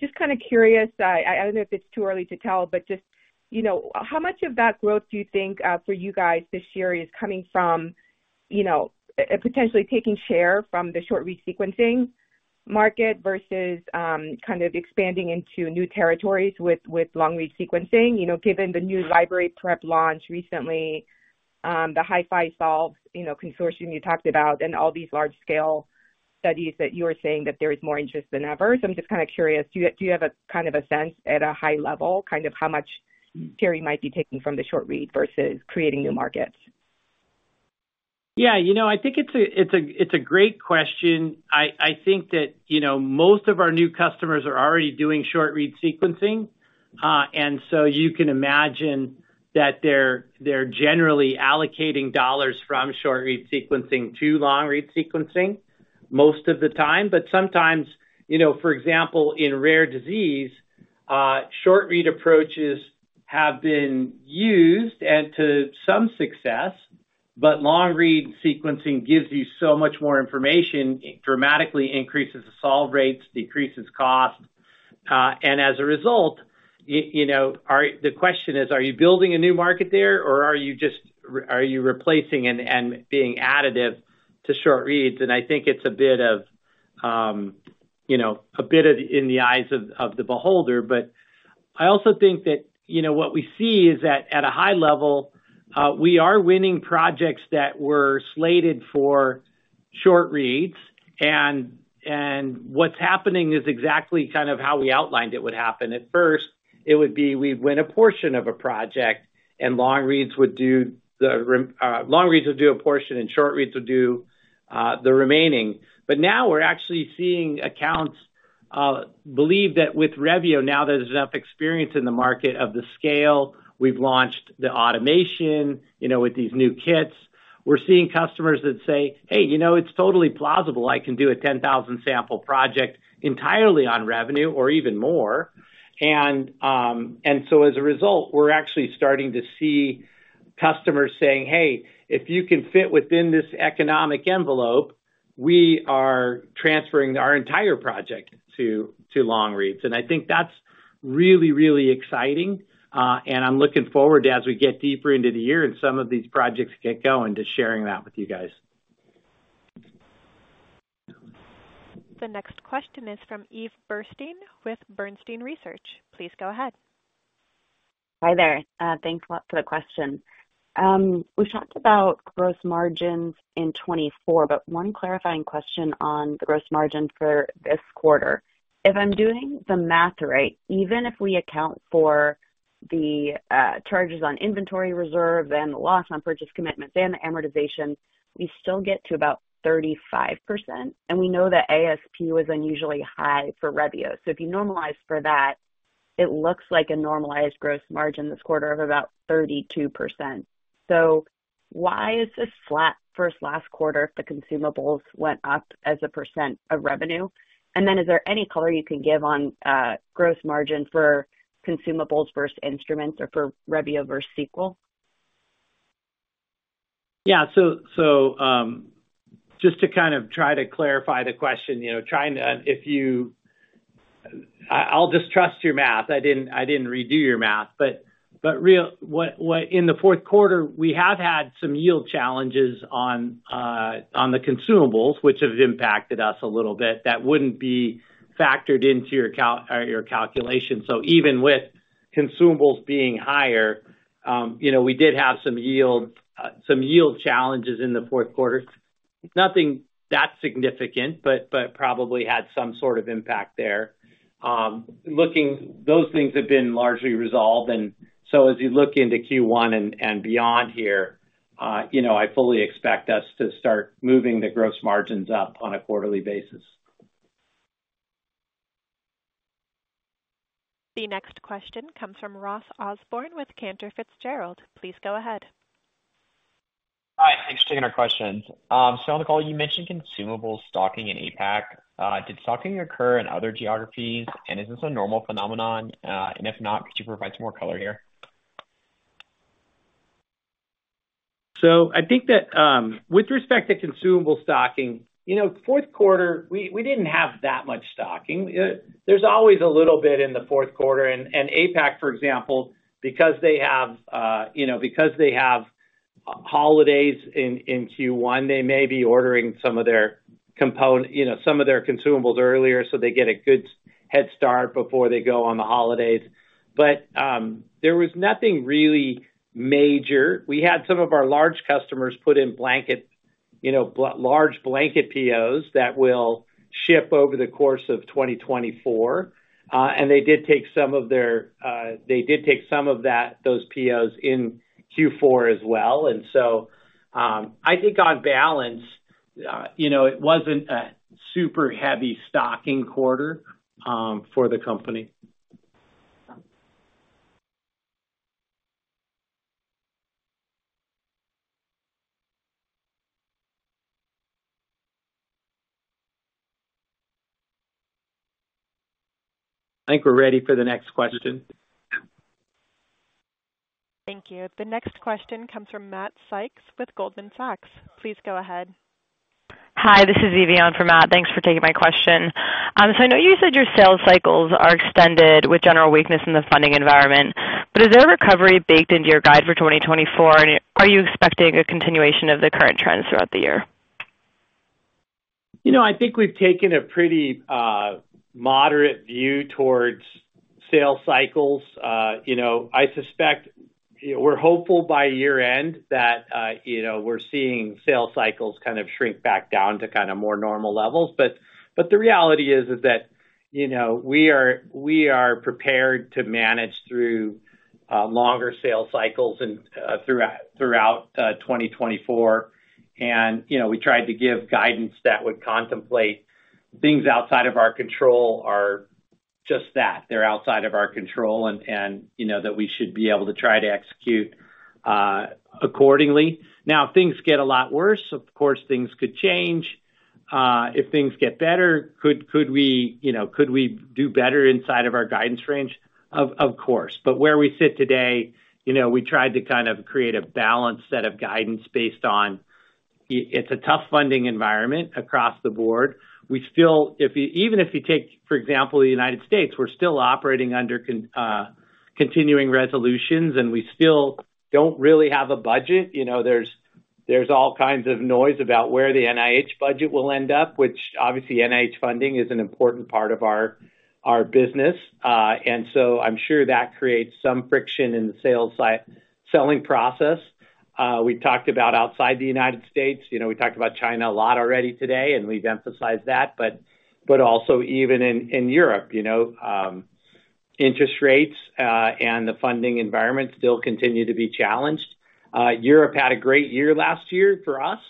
Just kind of curious. I don't know if it's too early to tell, but just how much of that growth do you think for you guys this year is coming from potentially taking share from the short-read sequencing market versus kind of expanding into new territories with long-read sequencing? Given the new library prep launch recently, the HiFi Solves Consortium you talked about, and all these large-scale studies that you were saying that there is more interest than ever. So I'm just kind of curious. Do you have kind of a sense at a high level kind of how much carry might be taken from the short-read versus creating new markets? Yeah. I think it's a great question. I think that most of our new customers are already doing short-read sequencing. And so you can imagine that they're generally allocating dollars from short-read sequencing to long-read sequencing most of the time. But sometimes, for example, in rare disease, short-read approaches have been used to some success, but long-read sequencing gives you so much more information, dramatically increases the solve rates, decreases cost. As a result, the question is, are you building a new market there, or are you just are you replacing and being additive to short-read? I think it's a bit of a bit of in the eyes of the beholder. But I also think that what we see is that at a high level, we are winning projects that were slated for short-read. What's happening is exactly kind of how we outlined it would happen. At first, it would be we'd win a portion of a project, and long-read would do the long-read would do a portion, and short-read would do the remaining. But now we're actually seeing accounts believe that with Revio, now that there's enough experience in the market of the scale, we've launched the automation with these new kits. We're seeing customers that say, "Hey, it's totally plausible. I can do a 10,000-sample project entirely on Revio or even more." And so as a result, we're actually starting to see customers saying, "Hey, if you can fit within this economic envelope, we are transferring our entire project to long-read." And I think that's really, really exciting. And I'm looking forward as we get deeper into the year and some of these projects get going to sharing that with you guys. The next question is from Eve Burstein with Bernstein Research. Please go ahead. Hi there. Thanks for the question. We've talked about gross margins in 2024, but one clarifying question on the gross margin for this quarter. If I'm doing the math right, even if we account for the charges on inventory reserve and the loss on purchase commitments and the amortization, we still get to about 35%. And we know that ASP was unusually high for Revio. So if you normalize for that, it looks like a normalized gross margin this quarter of about 32%. So why is this flat from last quarter if the consumables went up as a percent of revenue? And then is there any color you can give on gross margin for consumables versus instruments or for Revio versus Sequel? Yeah. So just to kind of try to clarify the question, trying to, if you will, distrust your math. I didn't redo your math. But in the fourth quarter, we have had some yield challenges on the consumables, which have impacted us a little bit. That wouldn't be factored into your calculation. So even with consumables being higher, we did have some yield challenges in the fourth quarter. Nothing that significant, but probably had some sort of impact there. Those things have been largely resolved. So as you look into Q1 and beyond here, I fully expect us to start moving the gross margins up on a quarterly basis. The next question comes from Ross Osborn with Cantor Fitzgerald. Please go ahead. Hi. Thanks for taking our questions. On the call, you mentioned consumables stocking in APAC. Did stocking occur in other geographies, and is this a normal phenomenon? And if not, could you provide some more color here? I think that with respect to consumable stocking, fourth quarter, we didn't have that much stocking. There's always a little bit in the fourth quarter. APAC, for example, because they have because they have holidays in Q1, they may be ordering some of their some of their consumables earlier so they get a good head start before they go on the holidays. There was nothing really major. We had some of our large customers put in large blanket POs that will ship over the course of 2024. They did take some of those POs in Q4 as well. So I think on balance, it wasn't a super heavy stocking quarter for the company. I think we're ready for the next question. Thank you. The next question comes from Matt Sykes with Goldman Sachs. Please go ahead. Hi. This is Evianne from Matt. Thanks for taking my question. So I know you said your sales cycles are extended with general weakness in the funding environment, but is there recovery baked into your guide for 2024, and are you expecting a continuation of the current trends throughout the year? I think we've taken a pretty moderate view towards sales cycles. I suspect we're hopeful by year-end that we're seeing sales cycles kind of shrink back down to kind of more normal levels. But the reality is that we are prepared to manage through longer sales cycles throughout 2024. And we tried to give guidance that would contemplate. Things outside of our control are just that. They're outside of our control and that we should be able to try to execute accordingly. Now, if things get a lot worse, of course, things could change. If things get better, could we do better inside of our guidance range? Of course. But where we sit today, we tried to kind of create a balanced set of guidance based on it's a tough funding environment across the board. Even if you take, for example, the United States, we're still operating under continuing resolutions, and we still don't really have a budget. There's all kinds of noise about where the NIH budget will end up, which obviously, NIH funding is an important part of our business. So I'm sure that creates some friction in the selling process. We've talked about outside the United States. We talked about China a lot already today, and we've emphasized that. But also even in Europe, interest rates and the funding environment still continue to be challenged. Europe had a great year last year for us,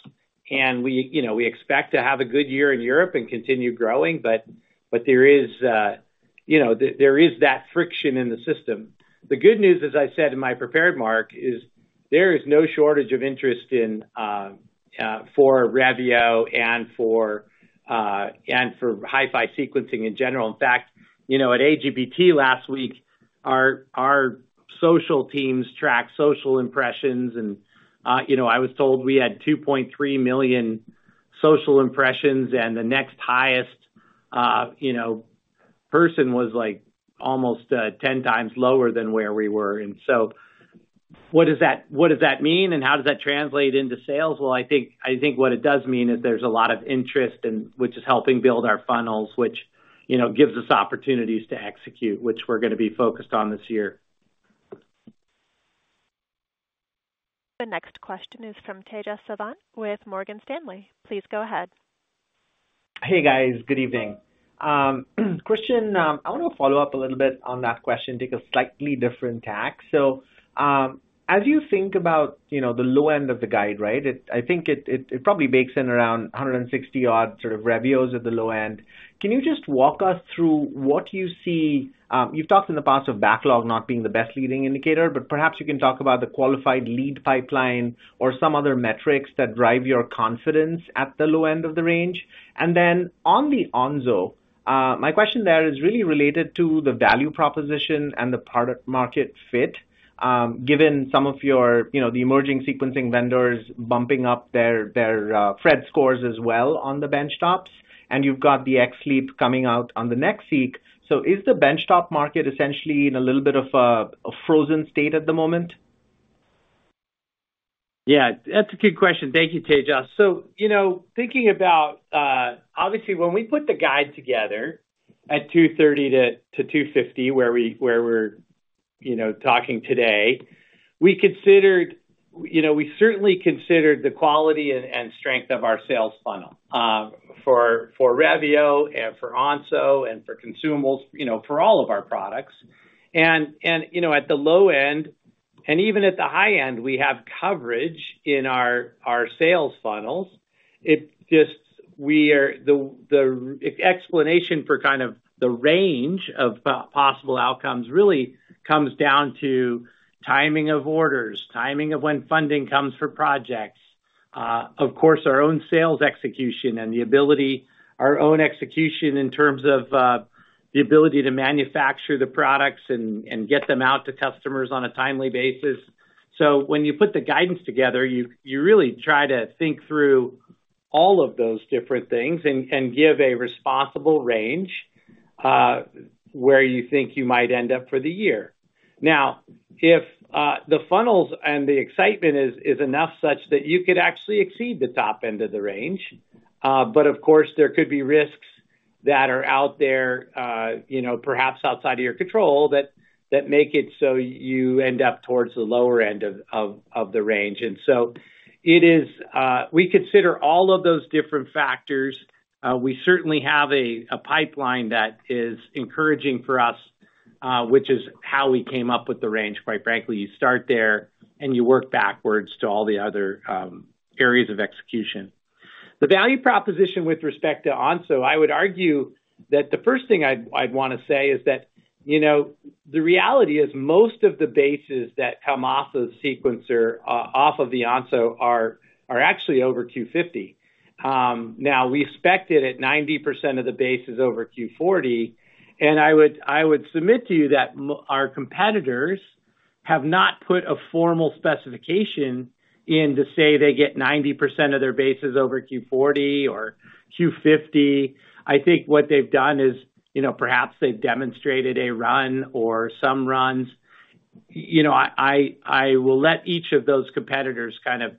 and we expect to have a good year in Europe and continue growing. But there is that friction in the system. The good news, as I said in my prepared remarks, is there is no shortage of interest for Revio and for HiFi sequencing in general. In fact, at AGBT last week, our social teams track social impressions. I was told we had 2.3 million social impressions, and the next highest person was almost 10 times lower than where we were. So what does that mean, and how does that translate into sales? Well, I think what it does mean is there's a lot of interest, which is helping build our funnels, which gives us opportunities to execute, which we're going to be focused on this year. The next question is from Tejas Savant with Morgan Stanley. Please go ahead. Hey, guys. Good evening. Christian, I want to follow up a little bit on that question taking a slightly different tack. So as you think about the low end of the guide, right, I think it probably bakes in around 160-odd sort of Revios at the low end. Can you just walk us through what you see? You've talked in the past of backlog not being the best leading indicator, but perhaps you can talk about the qualified lead pipeline or some other metrics that drive your confidence at the low end of the range. And then on the Onso, my question there is really related to the value proposition and the product-market fit, given some of the emerging sequencing vendors bumping up their Phred scores as well on the benchtops. And you've got the XLEAP coming out on the NextSeq. So is the benchtop market essentially in a little bit of a frozen state at the moment? Yeah. That's a good question. Thank you, Tejas. So thinking about obviously, when we put the guide together at $2.30-$2.50 where we're talking today, we considered we certainly considered the quality and strength of our sales funnel for Revio and for Onso and for consumables, for all of our products. And at the low end and even at the high end, we have coverage in our sales funnels. The explanation for kind of the range of possible outcomes really comes down to timing of orders, timing of when funding comes for projects, of course, our own sales execution and the ability our own execution in terms of the ability to manufacture the products and get them out to customers on a timely basis. So when you put the guidance together, you really try to think through all of those different things and give a responsible range where you think you might end up for the year. Now, if the funnels and the excitement is enough such that you could actually exceed the top end of the range, but of course, there could be risks that are out there, perhaps outside of your control, that make it so you end up towards the lower end of the range. And so we consider all of those different factors. We certainly have a pipeline that is encouraging for us, which is how we came up with the range. Quite frankly, you start there, and you work backwards to all the other areas of execution. The value proposition with respect to Onso, I would argue that the first thing I'd want to say is that the reality is most of the bases that come off of Sequel, off of the Onso, are actually over Q50. Now, we expected at 90% of the bases over Q40. I would submit to you that our competitors have not put a formal specification in to say they get 90% of their bases over Q40 or Q50. I think what they've done is perhaps they've demonstrated a run or some runs. I will let each of those competitors kind of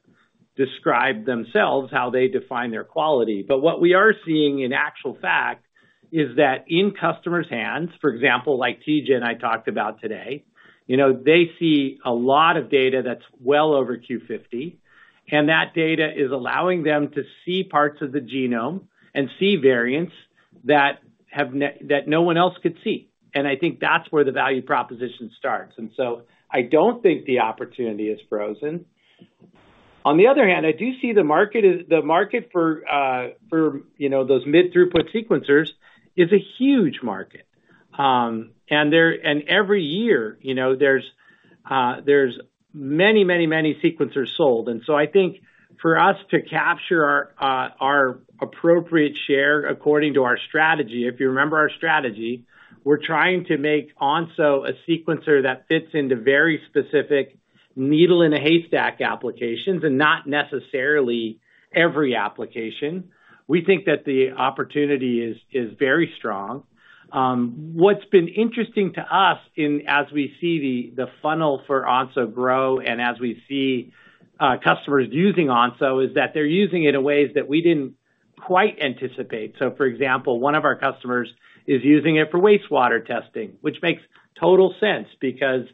describe themselves, how they define their quality. But what we are seeing in actual fact is that in customers' hands, for example, like TJ and I talked about today, they see a lot of data that's well over Q50. And that data is allowing them to see parts of the genome and see variants that no one else could see. And I think that's where the value proposition starts. And so I don't think the opportunity is frozen. On the other hand, I do see the market for those mid-throughput sequencers is a huge market. Every year, there's many, many, many sequencers sold. So I think for us to capture our appropriate share according to our strategy if you remember our strategy, we're trying to make Onso a sequencer that fits into very specific needle-in-a-haystack applications and not necessarily every application. We think that the opportunity is very strong. What's been interesting to us as we see the funnel for Onso grow and as we see customers using Onso is that they're using it in ways that we didn't quite anticipate. So for example, one of our customers is using it for wastewater testing, which makes total sense because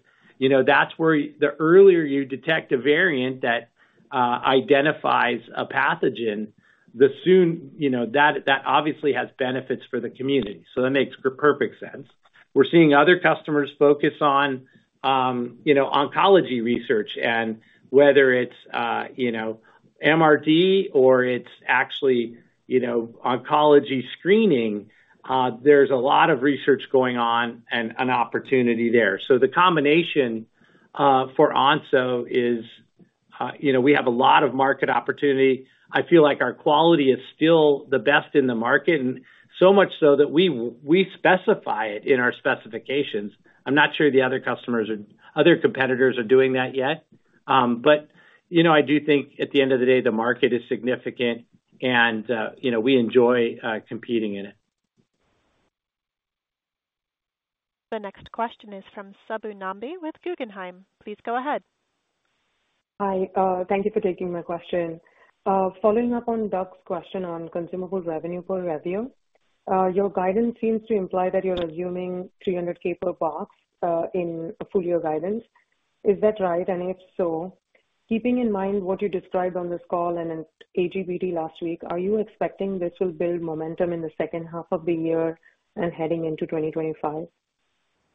that's where the earlier you detect a variant that identifies a pathogen, the sooner that obviously has benefits for the community. So that makes perfect sense. We're seeing other customers focus on oncology research. Whether it's MRD or it's actually oncology screening, there's a lot of research going on and an opportunity there. The combination for Onso is we have a lot of market opportunity. I feel like our quality is still the best in the market, and so much so that we specify it in our specifications. I'm not sure the other customers or other competitors are doing that yet. But I do think at the end of the day, the market is significant, and we enjoy competing in it. The next question is from Subbu Nambi with Guggenheim. Please go ahead. Hi. Thank you for taking my question. Following up on Doug's question on consumable revenue for Revio, your guidance seems to imply that you're assuming $300,000 per box in a full-year guidance. Is that right? If so, keeping in mind what you described on this call and in AGBT last week, are you expecting this will build momentum in the second half of the year and heading into 2025?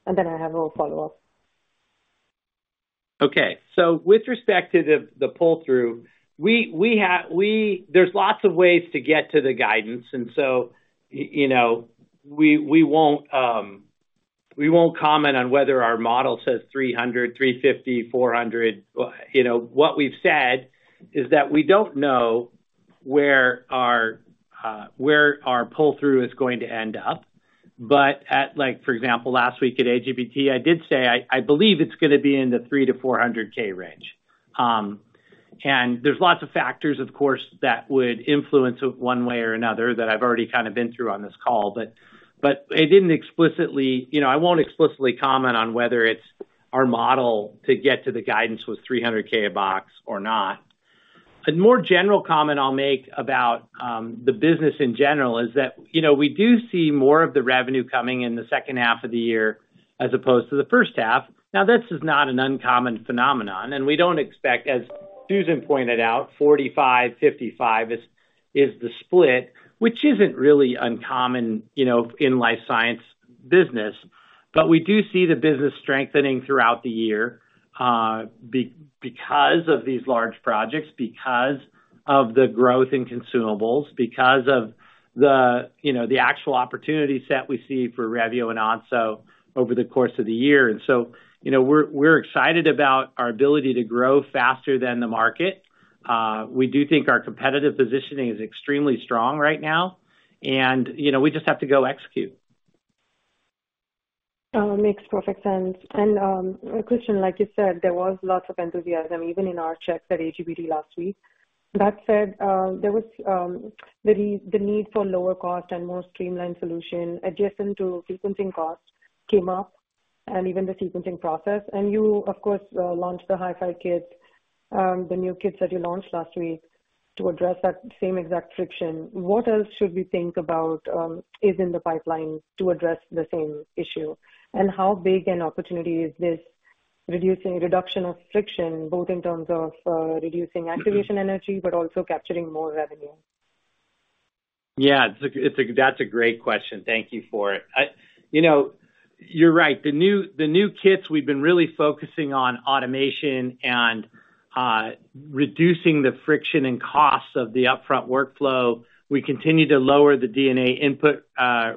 And then I have a follow-up. Okay. So with respect to the pull-through, there's lots of ways to get to the guidance. And so we won't comment on whether our model says $300K, $350K, $400K. What we've said is that we don't know where our pull-through is going to end up. But for example, last week at AGBT, I did say I believe it's going to be in the $300K-$400K range. And there's lots of factors, of course, that would influence it one way or another that I've already kind of been through on this call. But I won't explicitly comment on whether our model to get to the guidance was $300K a box or not. A more general comment I'll make about the business in general is that we do see more of the revenue coming in the second half of the year as opposed to the first half. Now, this is not an uncommon phenomenon. And we don't expect, as Susan pointed out, 45-55 is the split, which isn't really uncommon in life sciences business. But we do see the business strengthening throughout the year because of these large projects, because of the growth in consumables, because of the actual opportunity set we see for Revio and Onso over the course of the year. And so we're excited about our ability to grow faster than the market. We do think our competitive positioning is extremely strong right now, and we just have to go execute. Makes perfect sense. And Christian, like you said, there was lots of enthusiasm even in our checks at AGBT last week. That said, the need for lower cost and more streamlined solution adjacent to sequencing cost came up, and even the sequencing process. And you, of course, launched the HiFi kits, the new kits that you launched last week to address that same exact friction. What else should we think about is in the pipeline to address the same issue? And how big an opportunity is this reduction of friction both in terms of reducing activation energy but also capturing more revenue? Yeah. That's a great question. Thank you for it. You're right. The new kits, we've been really focusing on automation and reducing the friction and costs of the upfront workflow. We continue to lower the DNA input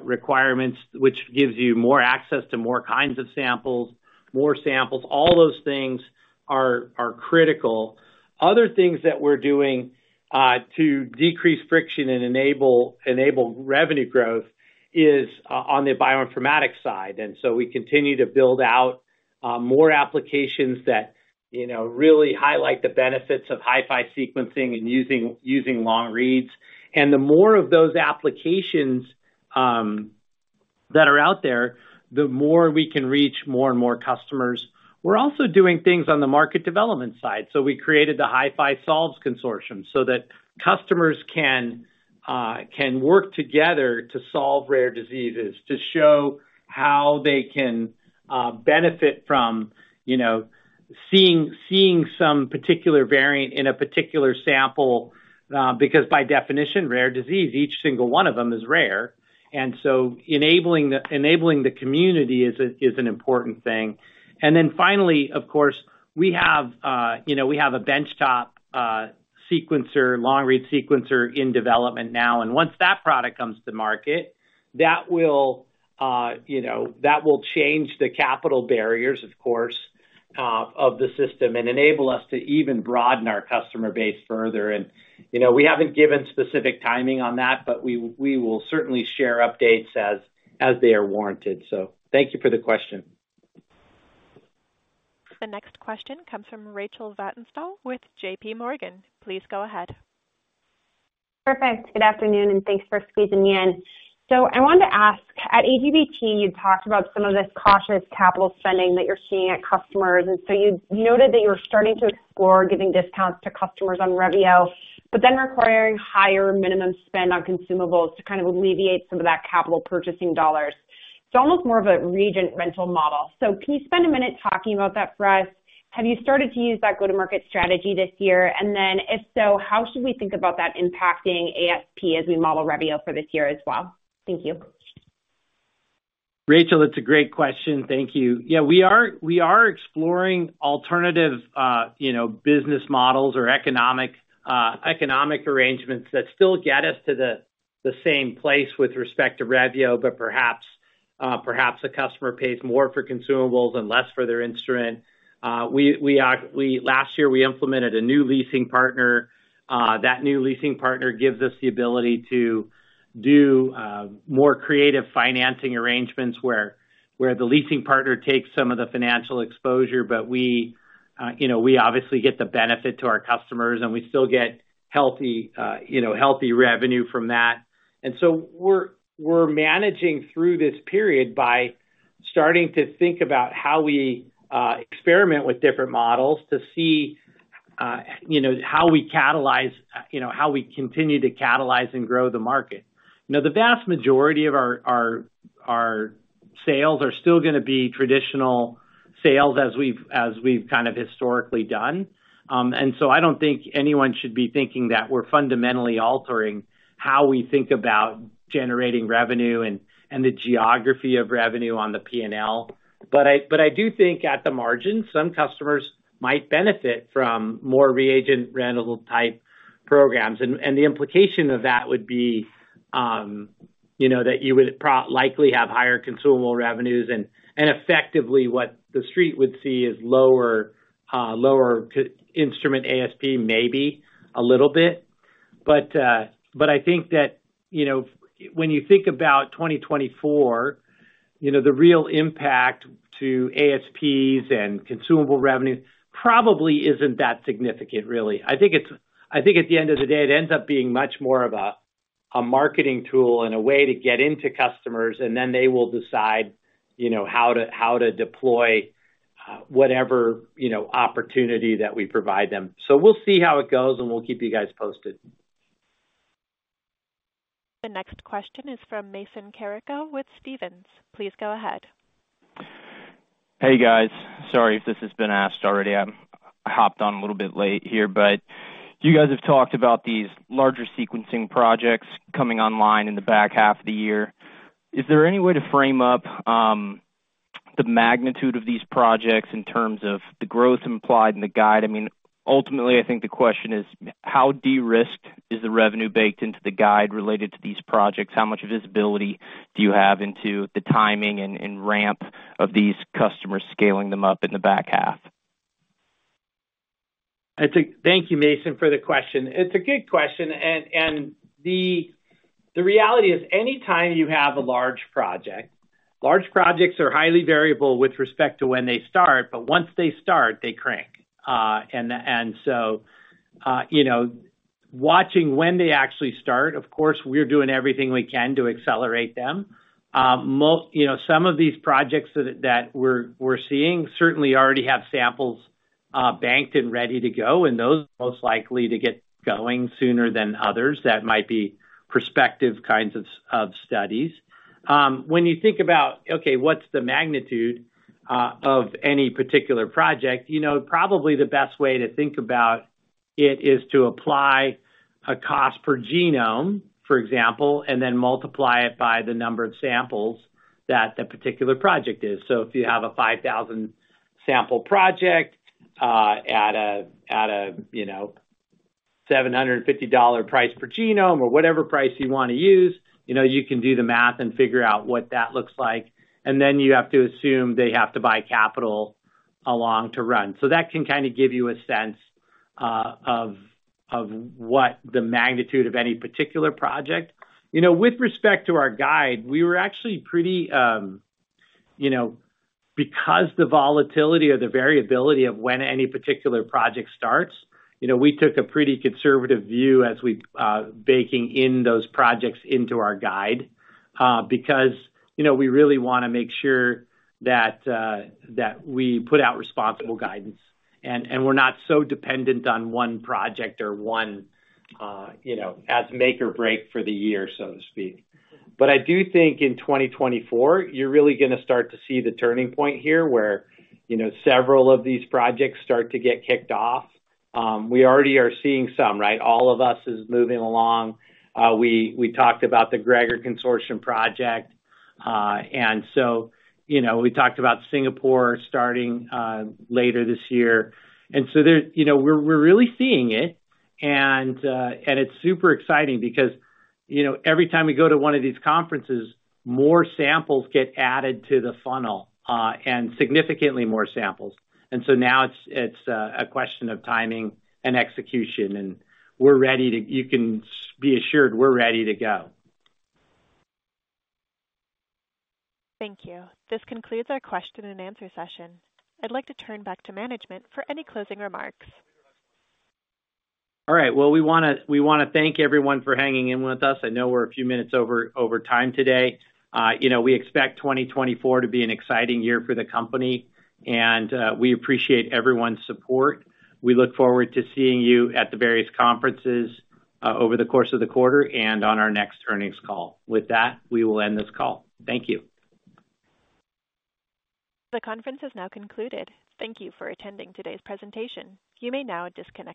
requirements, which gives you more access to more kinds of samples, more samples. All those things are critical. Other things that we're doing to decrease friction and enable revenue growth is on the bioinformatics side. And so we continue to build out more applications that really highlight the benefits of HiFi sequencing and using long reads. And the more of those applications that are out there, the more we can reach more and more customers. We're also doing things on the market development side. So we created the HiFi Solves Consortium so that customers can work together to solve rare diseases, to show how they can benefit from seeing some particular variant in a particular sample because by definition, rare disease, each single one of them is rare. And so enabling the community is an important thing. And then finally, of course, we have a benchtop sequencer, long-read sequencer in development now. And once that product comes to market, that will change the capital barriers, of course, of the system and enable us to even broaden our customer base further. And we haven't given specific timing on that, but we will certainly share updates as they are warranted. So thank you for the question. The next question comes from Rachel Vatnsdal with JPMorgan. Please go ahead. Perfect. Good afternoon, and thanks for squeezing in. So I wanted to ask, at AGBT, you talked about some of this cautious capital spending that you're seeing at customers. And so you noted that you were starting to explore giving discounts to customers on Revio but then requiring higher minimum spend on consumables to kind of alleviate some of that capital purchasing dollars. It's almost more of a reagent rental model. So can you spend a minute talking about that for us? Have you started to use that go-to-market strategy this year? And then if so, how should we think about that impacting ASP as we model Revio for this year as well? Thank you. Rachel, it's a great question. Thank you. Yeah. We are exploring alternative business models or economic arrangements that still get us to the same place with respect to Revio, but perhaps a customer pays more for consumables and less for their instrument. Last year, we implemented a new leasing partner. That new leasing partner gives us the ability to do more creative financing arrangements where the leasing partner takes some of the financial exposure, but we obviously get the benefit to our customers, and we still get healthy revenue from that. So we're managing through this period by starting to think about how we experiment with different models to see how we catalyze how we continue to catalyze and grow the market. The vast majority of our sales are still going to be traditional sales as we've kind of historically done. I don't think anyone should be thinking that we're fundamentally altering how we think about generating revenue and the geography of revenue on the P&L. But I do think at the margins, some customers might benefit from more reagent rental type programs. The implication of that would be that you would likely have higher consumable revenues. Effectively, what the street would see is lower instrument ASP maybe a little bit. I think that when you think about 2024, the real impact to ASPs and consumable revenue probably isn't that significant, really. I think at the end of the day, it ends up being much more of a marketing tool and a way to get into customers, and then they will decide how to deploy whatever opportunity that we provide them. So we'll see how it goes, and we'll keep you guys posted. The next question is from Mason Carrico with Stephens. Please go ahead. Hey, guys. Sorry if this has been asked already. I hopped on a little bit late here. But you guys have talked about these larger sequencing projects coming online in the back half of the year. Is there any way to frame up the magnitude of these projects in terms of the growth implied in the guide? I mean, ultimately, I think the question is, how de-risked is the revenue baked into the guide related to these projects? How much visibility do you have into the timing and ramp of these customers scaling them up in the back half? Thank you, Mason, for the question. It's a good question. And the reality is anytime you have a large project large projects are highly variable with respect to when they start, but once they start, they crank. And so watching when they actually start, of course, we're doing everything we can to accelerate them. Some of these projects that we're seeing certainly already have samples banked and ready to go, and those are most likely to get going sooner than others. That might be prospective kinds of studies. When you think about, "Okay, what's the magnitude of any particular project?" probably the best way to think about it is to apply a cost per genome, for example, and then multiply it by the number of samples that the particular project is. So if you have a 5,000-sample project at a $750 price per genome or whatever price you want to use, you can do the math and figure out what that looks like. And then you have to assume they have to buy capital along to run. So that can kind of give you a sense of what the magnitude of any particular project with respect to our guide. We were actually pretty conservative because the volatility or the variability of when any particular project starts. We took a pretty conservative view as we're baking in those projects into our guide because we really want to make sure that we put out responsible guidance, and we're not so dependent on one project or one-off as make or break for the year, so to speak. But I do think in 2024, you're really going to start to see the turning point here where several of these projects start to get kicked off. We already are seeing some, right? Onso is moving along. We talked about the GREGoR Consortium project. And so we talked about Singapore starting later this year. And so we're really seeing it. It's super exciting because every time we go to one of these conferences, more samples get added to the funnel and significantly more samples. So now it's a question of timing and execution. And you can be assured we're ready to go. Thank you. This concludes our question-and-answer session. I'd like to turn back to management for any closing remarks. All right. Well, we want to thank everyone for hanging in with us. I know we're a few minutes over time today. We expect 2024 to be an exciting year for the company, and we appreciate everyone's support. We look forward to seeing you at the various conferences over the course of the quarter and on our next earnings call. With that, we will end this call. Thank you. The conference has now concluded. Thank you for attending today's presentation. You may now disconnect.